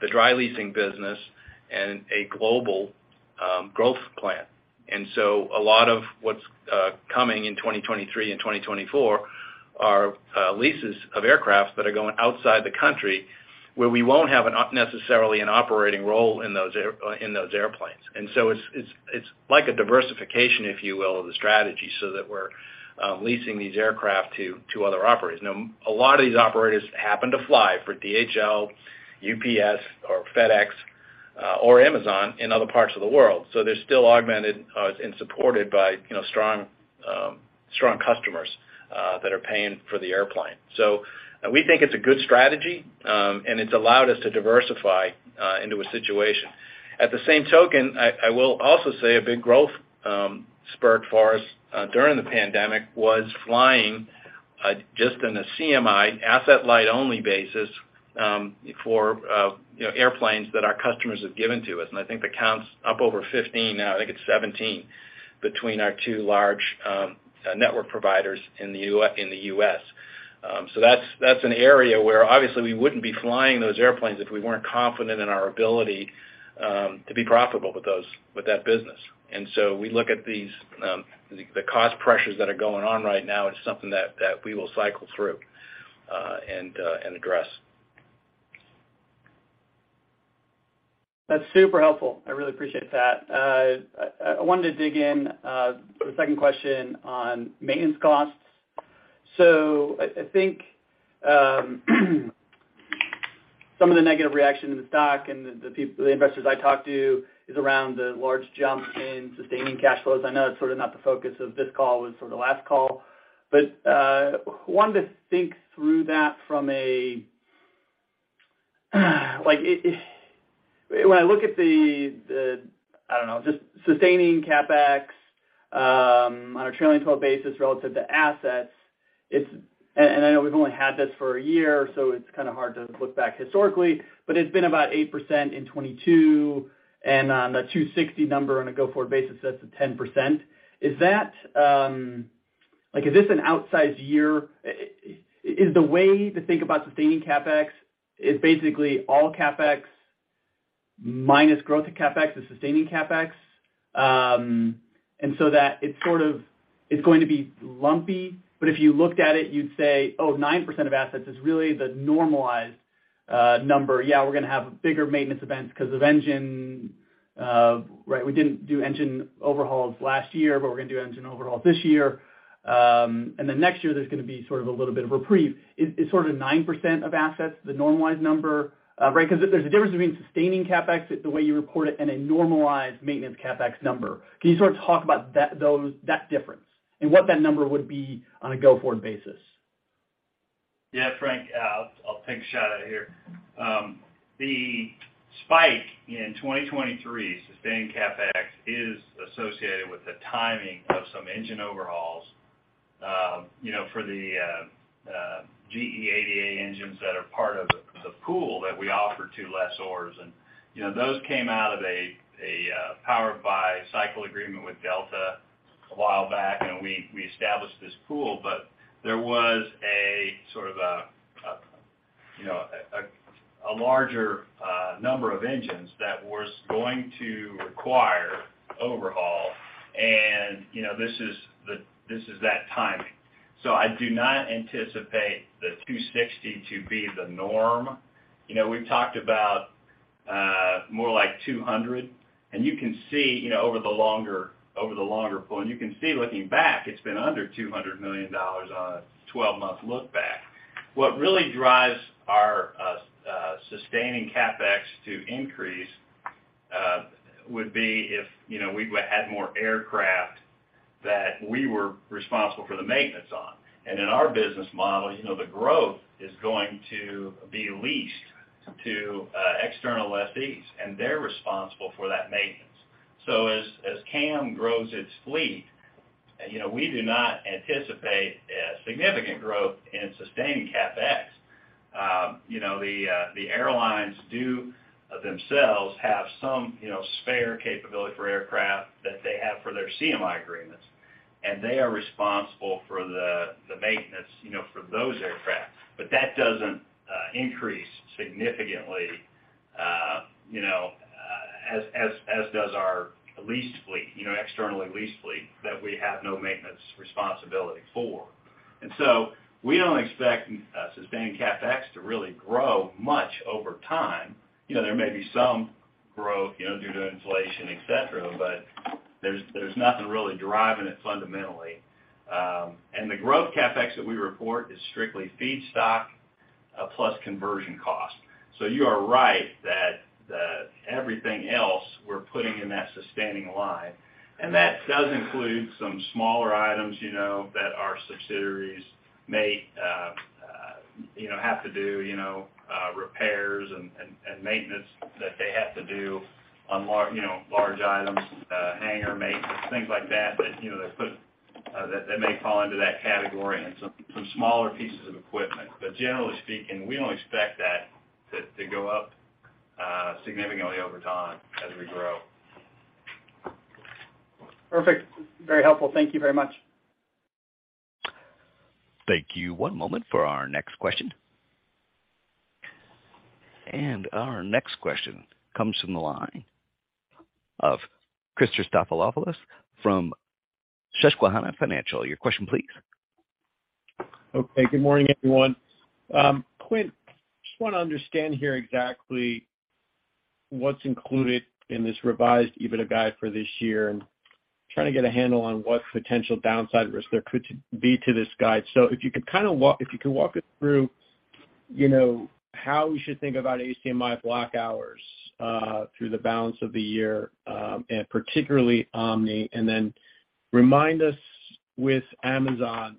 the dry leasing business and a global growth plan. A lot of what's coming in 2023 and 2024 are leases of aircraft that are going outside the country where we won't have necessarily an operating role in those airplanes. It's like a diversification, if you will, of the strategy so that we're leasing these aircraft to other operators. A lot of these operators happen to fly for DHL, UPS, or FedEx. Or Amazon in other parts of the world. They're still augmented and supported by, you know, strong customers that are paying for the airplane. We think it's a good strategy, and it's allowed us to diversify into a situation. At the same token, I will also say a big growth spurt for us during the pandemic was flying just in a CMI asset-light only basis for, you know, airplanes that our customers have given to us. I think the count's up over 15 now, I think it's 17 between our two large network providers in the U.S. That's an area where obviously we wouldn't be flying those airplanes if we weren't confident in our ability to be profitable with that business. We look at the cost pressures that are going on right now as something that we will cycle through, and address. That's super helpful. I really appreciate that. I wanted to dig in for the second question on maintenance costs. I think some of the negative reaction to the stock and the investors I talk to is around the large jump in sustaining cash flows. I know that's sort of not the focus of this call. It was sort of the last call. Wanted to think through that when I look at the, I don't know, just sustaining CapEx on a trailing 12 basis relative to assets. I know we've only had this for a year, so it's kind of hard to look back historically, but it's been about 8% in 2022. On the 260 number on a go-forward basis, that's at 10%. Is that, like, is this an outsized year? Is the way to think about sustaining CapEx is basically all CapEx minus growth of CapEx is sustaining CapEx? It sort of is going to be lumpy, if you looked at it, you'd say, "Oh, 9% of assets is really the normalized number." We're gonna have bigger maintenance events because of engine, right? We didn't do engine overhauls last year, we're gonna do engine overhauls this year. Next year, there's gonna be sort of a little bit of reprieve. Is sort of 9% of assets the normalized number? Because there's a difference between sustaining CapEx the way you report it and a normalized maintenance CapEx number. Can you sort of talk about that, those, that difference and what that number would be on a go-forward basis? Frank, I'll take a shot at it here. The spike in 2023 sustaining CapEx is associated with the timing of some engine overhauls, you know, for the GE CF6 engines that are part of the pool that we offer to lessors. You know, those came out of a power by cycle agreement with Delta a while back, and we established this pool. There was a sort of a, you know, a larger number of engines that was going to require overhaul. You know, this is that timing. I do not anticipate the 260 to be the norm. You know, we've talked about more like 200, and you can see, you know, over the longer, over the longer pull, and you can see looking back, it's been under $200 million on a 12-month look back. What really drives our sustaining CapEx to increase would be if, you know, we had more aircraft that we were responsible for the maintenance on. In our business model, you know, the growth is going to be leased to external lessees, and they're responsible for that maintenance. As CAM grows its fleet, you know, we do not anticipate a significant growth in sustaining CapEx. You know, the airlines do themselves have some, you know, spare capability for aircraft that they have for their CMI agreements, and they are responsible for the maintenance, you know, for those aircraft. That doesn't increase significantly, you know, as does our leased fleet, you know, externally leased fleet that we have no maintenance responsibility for. We don't expect sustaining CapEx to really grow much over time. You know, there may be some growth, you know, due to inflation, et cetera, but there's nothing really driving it fundamentally. The growth CapEx that we report is strictly feedstock, plus conversion cost. You are right that everything else we're putting in that sustaining line, and that does include some smaller items, you know, that our subsidiaries may, you know, have to do, you know, repairs and maintenance that they have to do on you know, large items, hangar maintenance, things like that, you know, that put, that may fall into that category and some smaller pieces of equipment. Generally speaking, we don't expect that to go up significantly over time as we grow. Perfect. Very helpful. Thank you very much. Thank you. One moment for our next question. Our next question comes from the line of Christopher Stathoulopoulos from Susquehanna Financial. Your question, please. Good morning, everyone. Quint, just want to understand here exactly what's included in this revised EBITDA guide for this year and. Trying to get a handle on what potential downside risk there could be to this guide. If you could walk us through, you know, how we should think about ACMI block hours through the balance of the year, and particularly Omni. Remind us with Amazon,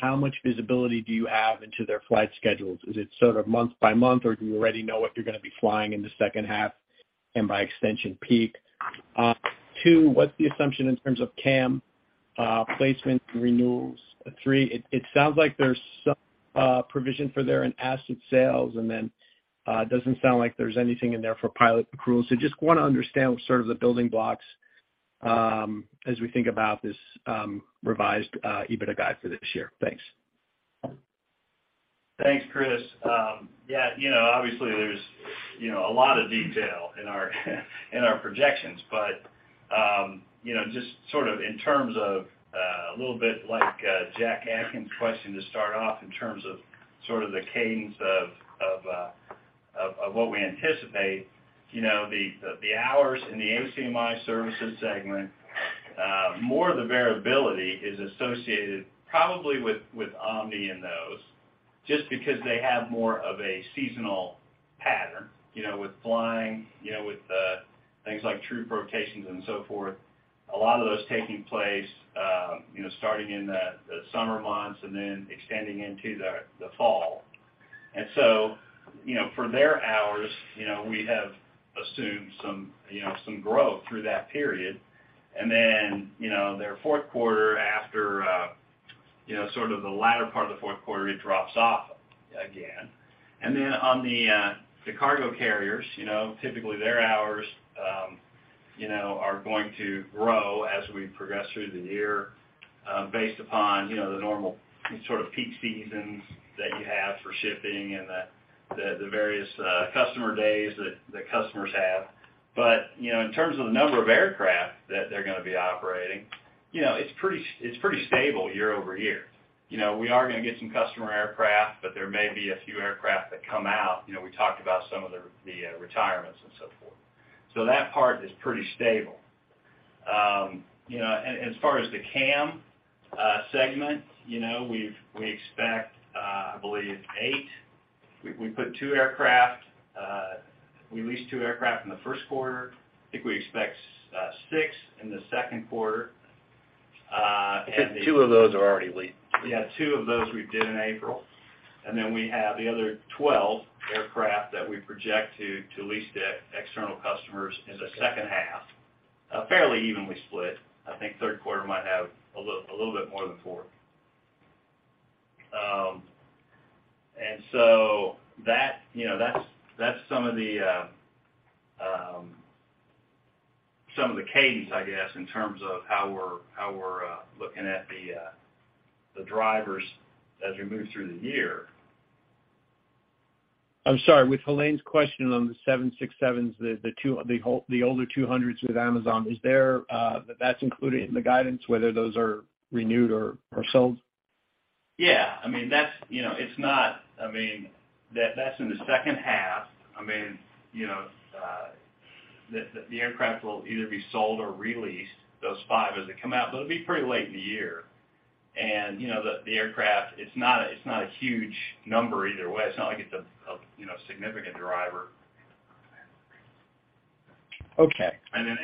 how much visibility do you have into their flight schedules? Is it sort of month-by-month, or do you already know what you're gonna be flying in the second half and by extension peak? two, what's the assumption in terms of CAM placement renewals? three, it sounds like there's some provision for there in asset sales, then it doesn't sound like there's anything in there for pilot accrual. Just wanna understand sort of the building blocks, as we think about this, revised, EBITDA guide for this year. Thanks. Thanks, Chris. Yeah, you know, obviously there's, you know, a lot of detail in our in our projections, but, you know, just sort of in terms of, a little bit like Jack Atkins' question to start off in terms of sort of the cadence of what we anticipate, you know, the hours in the ACMI services segment, more of the variability is associated probably with Omni and those, just because they have more of a seasonal pattern, you know, with flying, you know, with things like troop rotations and so forth. A lot of those taking place, you know, starting in the summer months and then extending into the fall. For their hours, you know, we have assumed some, you know, some growth through that period. Then, you know, their fourth quarter after, you know, sort of the latter part of the fourth quarter, it drops off again. Then on the cargo carriers, you know, typically their hours, you know, are going to grow as we progress through the year, based upon, you know, the normal sort of peak seasons that you have for shipping and the various customer days that customers have. You know, in terms of the number of aircraft that they're gonna be operating, you know, it's pretty stable year-over-year. You know, we are gonna get some customer aircraft, but there may be a few aircraft that come out. You know, we talked about some of the retirements and so forth. That part is pretty stable. You know, as far as the CAM segment, you know, we expect, I believe eight. We put two aircraft, we leased two aircraft in the first quarter. I think we expect six in the second quarter. Two of those are already leased. Yeah, two of those we did in April. We have the other 12 aircraft that we project to lease to external customers in the second half, fairly evenly split. I think third quarter might have a little bit more than fourth. That, you know, that's some of the cadence, I guess, in terms of how we're, how we're looking at the drivers as we move through the year. I'm sorry. With Helane's question on the 767s, the older 200s with Amazon, is there, that's included in the guidance whether those are renewed or sold? Yeah, I mean, that's, you know, it's not. I mean, that's in the second half. I mean, you know, the aircraft will either be sold or re-leased, those five as they come out, but it'll be pretty late in the year. You know, the aircraft, it's not a, it's not a huge number either way. It's not like it's a, you know, significant driver. Okay. Then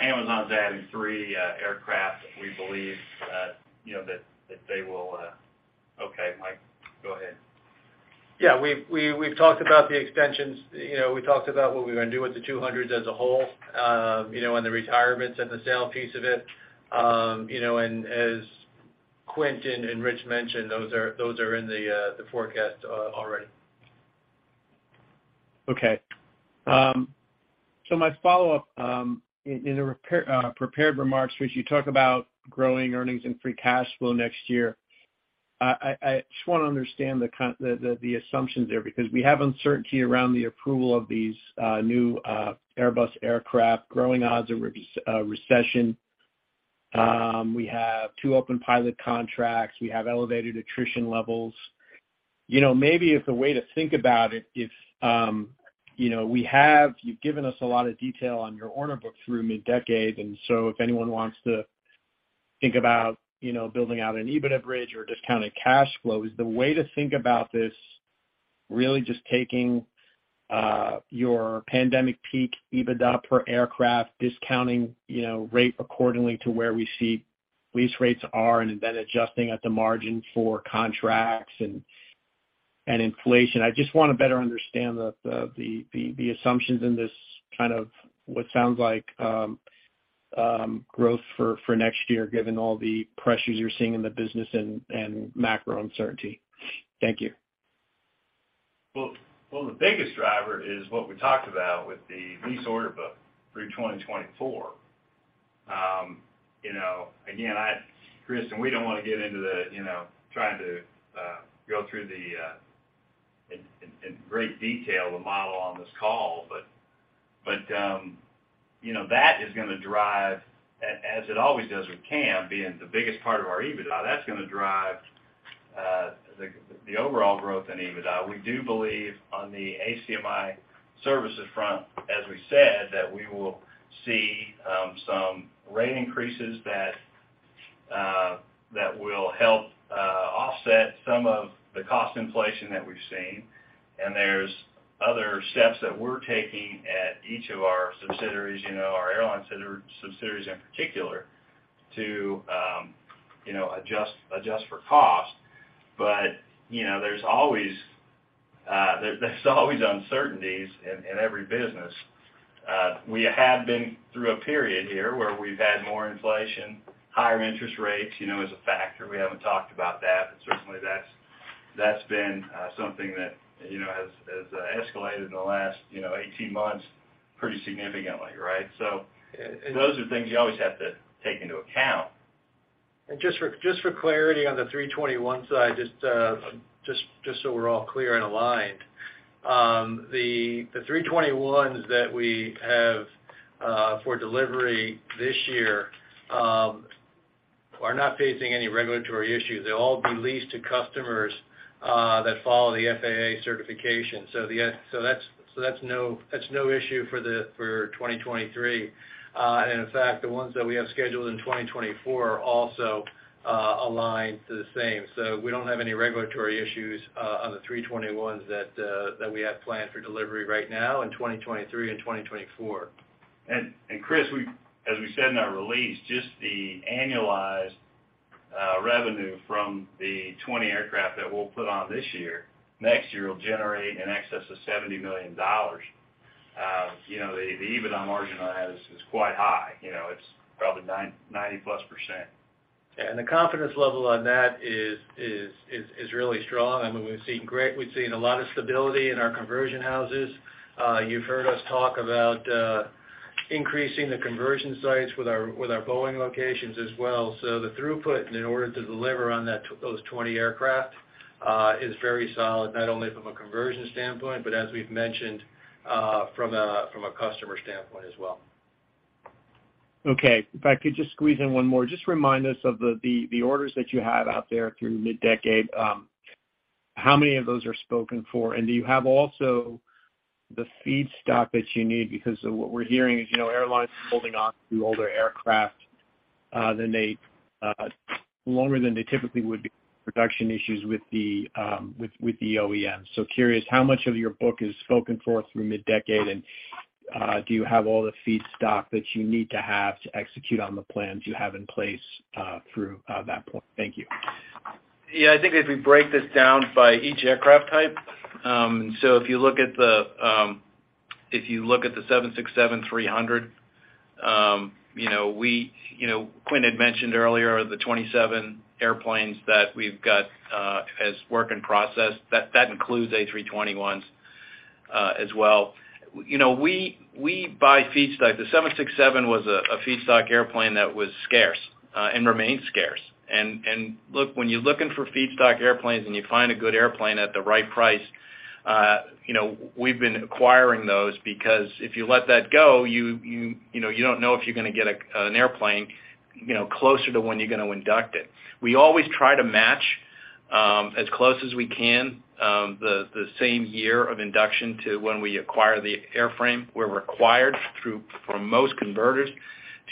Amazon's adding three aircraft that we believe, you know, that they will... Okay, Mike, go ahead. Yeah. We've talked about the extensions. You know, we talked about what we're gonna do with the 200s as a whole, you know, and the retirements and the sale piece of it. You know, as Quint and Rich mentioned, those are in the forecast already. Okay. my follow-up, in the prepared remarks, which you talk about growing earnings and free cash flow next year, I just wanna understand the assumptions there because we have uncertainty around the approval of these, new, Airbus aircraft, growing odds of recession. We have two open pilot contracts. We have elevated attrition levels. You know, maybe if the way to think about it, if, you know, you've given us a lot of detail on your order book through mid-decade, and so if anyone wants to think about, you know, building out an EBITDA bridge or discounted cash flow, is the way to think about this really just taking your pandemic peak EBITDA per aircraft, discounting, you know, rate accordingly to where we see lease rates are and then adjusting at the margin for contracts and inflation? I just wanna better understand the assumptions in this kind of what sounds like growth for next year, given all the pressures you're seeing in the business and macro uncertainty. Thank you. Well, the biggest driver is what we talked about with the lease order book through 2024. You know, again, Chris, we don't wanna get into the, you know, trying to go through the in great detail the model on this call, but, you know, that is gonna drive as it always does with CAM being the biggest part of our EBITDA. That's gonna drive the overall growth in EBITDA. We do believe on the ACMI services front, as we said, that we will see some rate increases that will help offset some of the cost inflation that we've seen. There's other steps that we're taking at each of our subsidiaries, you know, our airline subsidiaries in particular to, you know, adjust for cost. You know, there's always uncertainties in every business. We have been through a period here where we've had more inflation, higher interest rates, you know, as a factor. We haven't talked about that, but certainly that's been something that, you know, has escalated in the last, you know, 18 months pretty significantly, right? Those are things you always have to take into account. Just for clarity on the A321 side, just so we're all clear and aligned. The A321s that we have for delivery this year are not facing any regulatory issues. They all be leased to customers that follow the FAA certification. That's no issue for 2023. In fact, the ones that we have scheduled in 2024 are also aligned to the same. We don't have any regulatory issues on the A321s that we have planned for delivery right now in 2023 and 2024. Chris, as we said in our release, just the annualized revenue from the 20 aircraft that we'll put on this year, next year, will generate in excess of $70 million. You know, the EBITDA margin on that is quite high. You know, it's probably 90+%. The confidence level on that is really strong. I mean, we've seen a lot of stability in our conversion houses. You've heard us talk about increasing the conversion sites with our Boeing locations as well. The throughput in order to deliver on those 20 aircraft is very solid, not only from a conversion standpoint, but as we've mentioned, from a customer standpoint as well. Okay. If I could just squeeze in one more. Just remind us of the orders that you have out there through mid-decade, how many of those are spoken for, and do you have also the feedstock that you need? What we're hearing is, you know, airlines are holding on to older aircraft longer than they typically would be, production issues with the OEM. Curious how much of your book is spoken for through mid-decade and do you have all the feedstock that you need to have to execute on the plans you have in place through that point? Thank you. Yeah. I think if we break this down by each aircraft type, so if you look at the, if you look at the 767-300, you know, we, you know, Quint had mentioned earlier the 27 airplanes that we've got, as work in process, that includes A321s, as well. You know, we buy feedstock. The 767 was a feedstock airplane that was scarce, and remains scarce. And, and look, when you're looking for feedstock airplanes, and you find a good airplane at the right price, you know, we've been acquiring those because if you let that go, you know, you don't know if you're gonna get a, an airplane, you know, closer to when you're gonna induct it. We always try to match as close as we can the same year of induction to when we acquire the airframe. We're required through, for most converters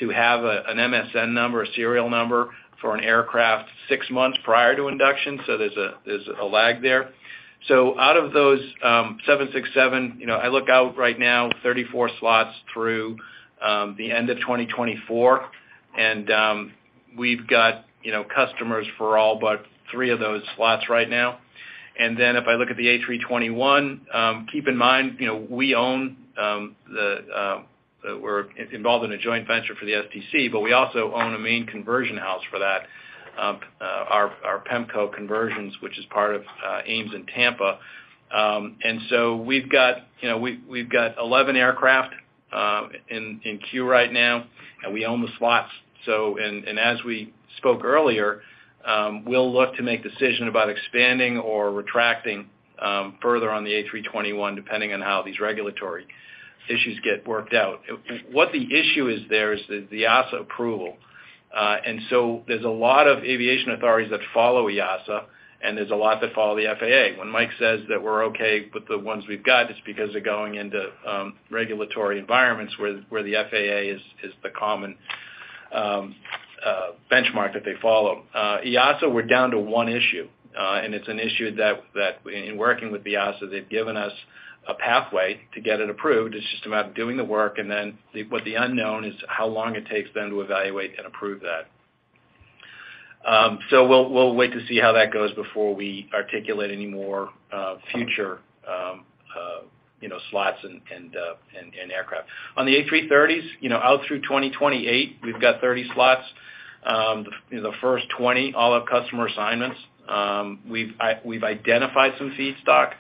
to have an MSN number, a serial number for an aircraft si months prior to induction, so there's a lag there. Out of those 767, you know, I look out right now, 34 slots through the end of 2024, and we've got, you know, customers for all but three of those slots right now. If I look at the A321, keep in mind, you know, we own the we're involved in a joint venture for the STC, but we also own a main conversion house for that, our PEMCO conversions, which is part of AMES in Tampa. We've got, you know, we've got 11 aircraft in queue right now, and we own the slots. As we spoke earlier, we'll look to make decision about expanding or retracting further on the A321, depending on how these regulatory issues get worked out. What the issue is there is the EASA approval. There's a lot of aviation authorities that follow EASA, and there's a lot that follow the FAA. When Mike says that we're okay with the ones we've got, it's because they're going into regulatory environments where the FAA is the common benchmark that they follow. EASA, we're down to one issue, and it's an issue that in working with EASA, they've given us a pathway to get it approved. It's just a matter of doing the work, and then what the unknown is how long it takes them to evaluate and approve that. We'll wait to see how that goes before we articulate any more future, you know, slots and aircraft. On the A330s, you know, out through 2028, we've got 30 slots. The, you know, the first 20, all have customer assignments. We've identified some feedstock.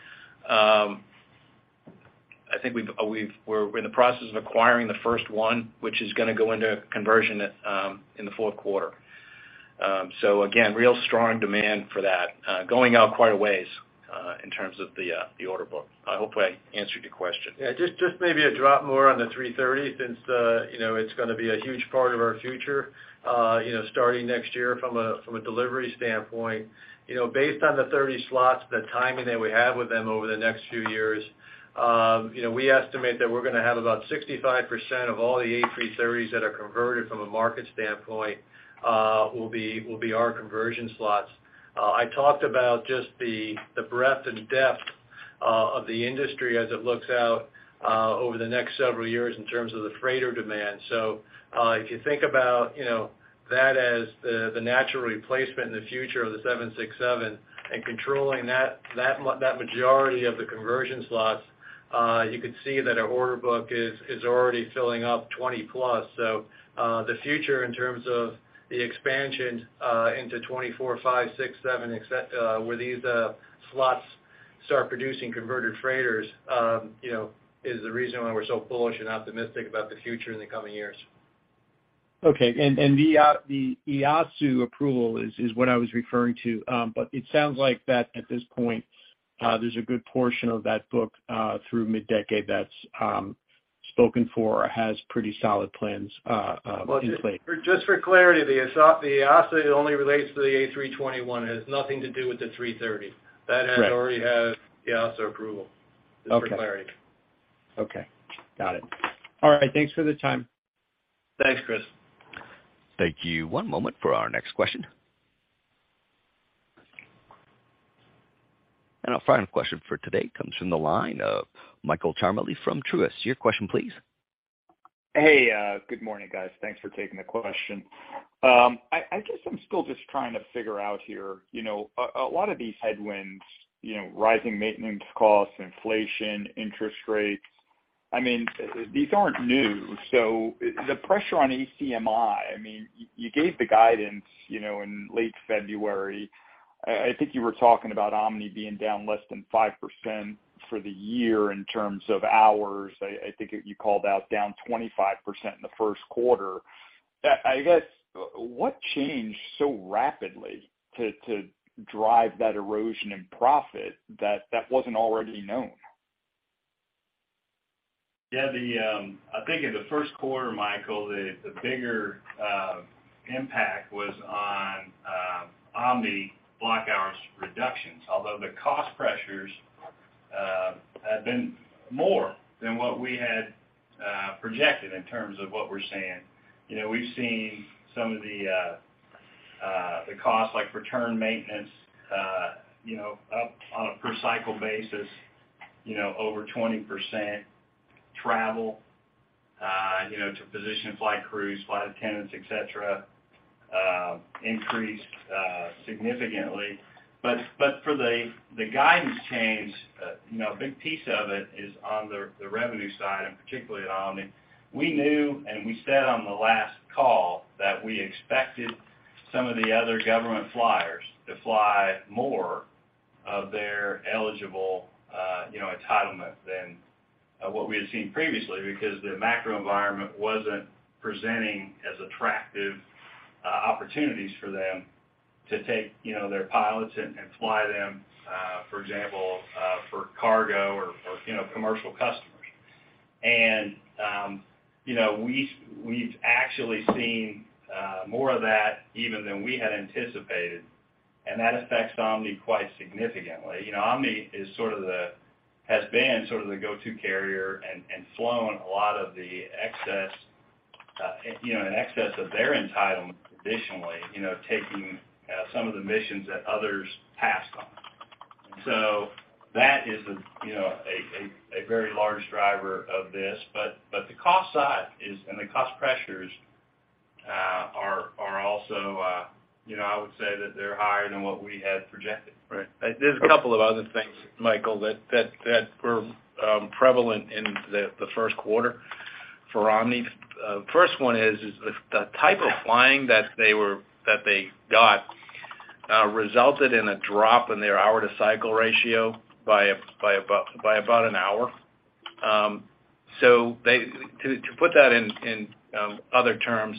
I think we're in the process of acquiring the first one, which is gonna go into conversion at in the fourth quarter. Again, real strong demand for that, going out quite a ways. In terms of the order book. I hope I answered your question. Yeah, just maybe a drop more on the A330 since, you know, it's gonna be a huge part of our future, you know, starting next year from a delivery standpoint. You know, based on the 30 slots, the timing that we have with them over the next few years, you know, we estimate that we're gonna have about 65% of all the A330s that are converted from a market standpoint, will be our conversion slots. I talked about just the breadth and depth of the industry as it looks out over the next several years in terms of the freighter demand. If you think about, you know, that as the natural replacement in the future of the 767 and controlling that majority of the conversion slots, you could see that our order book is already filling up 20+. The future in terms of the expansion into 2024, 2025, 2026, 2027, where these slots start producing converted freighters, you know, is the reason why we're so bullish and optimistic about the future in the coming years. Okay. The EASA approval is what I was referring to. It sounds like that at this point, there's a good portion of that book, through mid-decade that's spoken for or has pretty solid plans in play. Well, just for clarity, the EASA only relates to the A321. It has nothing to do with the A330. Right. That has already had EASA approval. Okay. Just for clarity. Okay. Got it. All right. Thanks for the time. Thanks, Chris. Thank you. One moment for our next question. Our final question for today comes from the line of Michael Ciarmoli from Truist. Your question, please. Good morning, guys. Thanks for taking the question. I guess I'm still just trying to figure out here, you know, a lot of these headwinds, you know, rising maintenance costs, inflation, interest rates, I mean, these aren't new. The pressure on ACMI, I mean, you gave the guidance, you know, in late February. I think you were talking about Omni being down less than 5% for the year in terms of hours. I think you called out down 25% in the first quarter. I guess what changed so rapidly to drive that erosion in profit that wasn't already known? Yeah, I think in the first quarter, Michael, the bigger impact was on Omni block hours reductions, although the cost pressures have been more than what we had projected in terms of what we're seeing. You know, we've seen some of the costs like return maintenance, you know, up on a per cycle basis, you know, over 20%. Travel, you know, to position flight crews, flight attendants, et cetera, increased significantly. For the guidance change, you know, a big piece of it is on the revenue side, and particularly on Omni. We knew, and we said on the last call that we expected some of the other government flyers to fly more of their eligible, you know, entitlement than what we had seen previously because the macro environment wasn't presenting as attractive opportunities for them to take, you know, their pilots and fly them, for example, for cargo or, you know, commercial customers. You know, we've actually seen more of that even than we had anticipated, and that affects Omni quite significantly. You know, Omni is sort of the has been sort of the go-to carrier and flown a lot of the excess, you know, in excess of their entitlement, additionally, you know, taking some of the missions that others passed on. That is a, you know, a very large driver of this. The cost side is, and the cost pressures, are also, you know, I would say that they're higher than what we had projected. Right. There's a couple of other things, Michael, that were prevalent in the first quarter for Omni. First one is the type of flying that they got, resulted in a drop in their hour to cycle ratio by about an hour. To put that in other terms,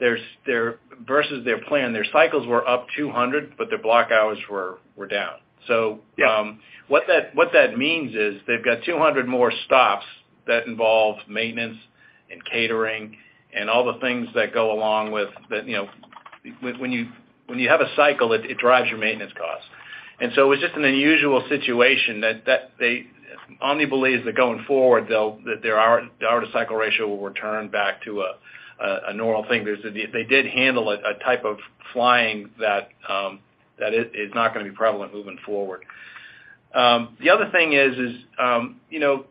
versus their plan, their cycles were up 200, but their block hours were down. Yeah. What that means is they've got 200 more stops that involve maintenance and catering and all the things that go along with that. You know, when you have a cycle, it drives your maintenance costs. It's just an unusual situation that Omni believes that going forward that their hour to cycle ratio will return back to a normal thing. They did handle a type of flying that is not gonna be prevalent moving forward. The other thing is, you know,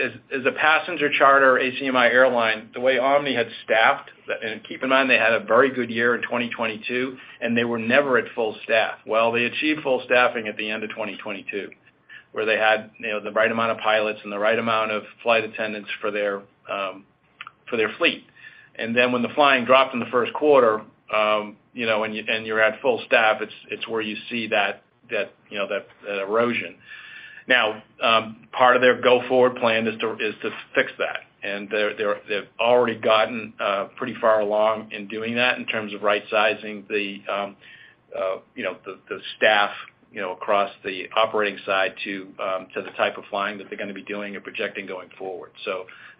as a passenger charter ACMI airline, the way Omni had staffed, and keep in mind they had a very good year in 2022, and they were never at full staff. They achieved full staffing at the end of 2022, where they had, you know, the right amount of pilots and the right amount of flight attendants for their fleet. When the flying dropped in the first quarter, you know, and you're at full staff, it's where you see that, you know, that erosion. Part of their go-forward plan is to fix that, and they've already gotten pretty far along in doing that in terms of rightsizing the staff, you know, across the operating side to the type of flying that they're gonna be doing and projecting going forward.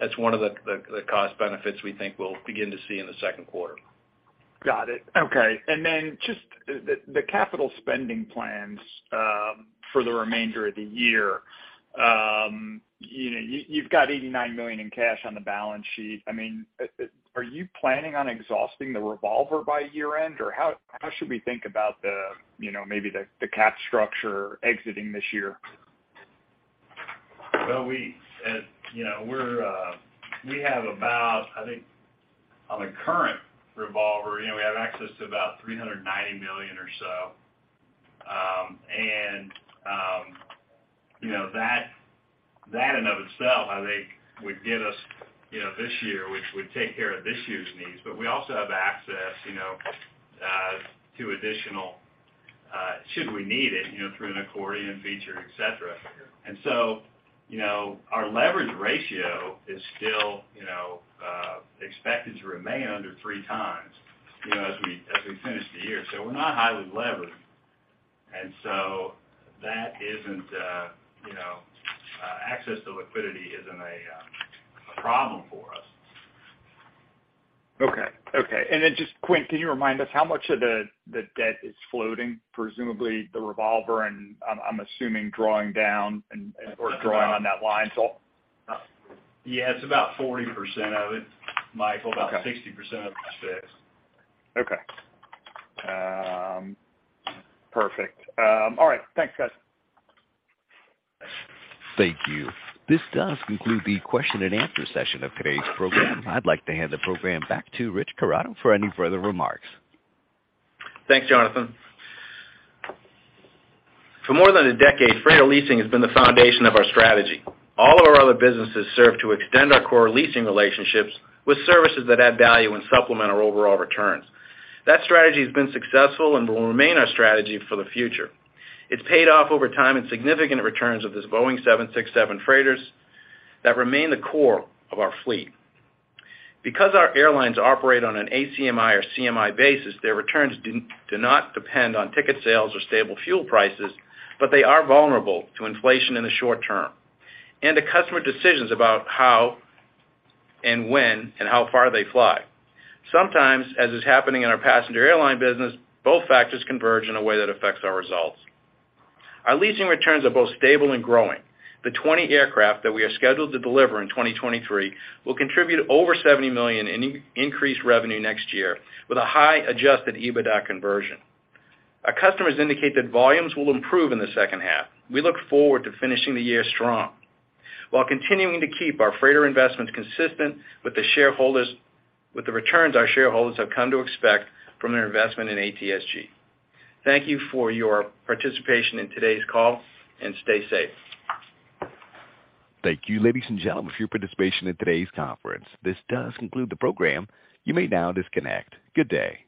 That's one of the cost benefits we think we'll begin to see in the second quarter. Got it. Okay. Then just the capital spending plans for the remainder of the year. You know, you've got $89 million in cash on the balance sheet. I mean are you planning on exhausting the revolver by year end? How should we think about the, you know, maybe the cap structure exiting this year? Well, we, as you know, we're, we have about, I think on the current revolver, you know, we have access to about $390 million or so. You know, that in and of itself, I think would get us, you know, this year, which would take care of this year's needs. We also have access, you know, to additional, should we need it, you know, through an accordion feature, et cetera. You know, our leverage ratio is still, you know, expected to remain under 3x, you know, as we finish the year. We're not highly leveraged. That isn't, you know, access to liquidity isn't a problem for us. Okay. Okay. Then just quick, can you remind us how much of the debt is floating? Presumably the revolver and I'm assuming drawing down or drawing on that line. Yeah, it's about 40% of it, Michael. Okay. About 60% of it is fixed. Okay. Perfect. All right. Thanks, guys. Thank you. This does conclude the question and answer session of today's program. I'd like to hand the program back to Rich Corrado for any further remarks. Thanks, Jonathan. For more than a decade, freighter leasing has been the foundation of our strategy. All of our other businesses serve to extend our core leasing relationships with services that add value and supplement our overall returns. That strategy has been successful and will remain our strategy for the future. It's paid off over time in significant returns of this Boeing 767 freighters that remain the core of our fleet. Our airlines operate on an ACMI or CMI basis, their returns do not depend on ticket sales or stable fuel prices, but they are vulnerable to inflation in the short term and to customer decisions about how and when and how far they fly. Sometimes, as is happening in our passenger airline business, both factors converge in a way that affects our results. Our leasing returns are both stable and growing. The 20 aircraft that we are scheduled to deliver in 2023 will contribute over $70 million in increased revenue next year with a high Adjusted EBITDA conversion. Our customers indicate that volumes will improve in the second half. We look forward to finishing the year strong while continuing to keep our shareholders with the returns our shareholders have come to expect from their investment in ATSG. Thank you for your participation in today's call, and stay safe. Thank you, ladies and gentlemen, for your participation in today's conference. This does conclude the program. You may now disconnect. Good day.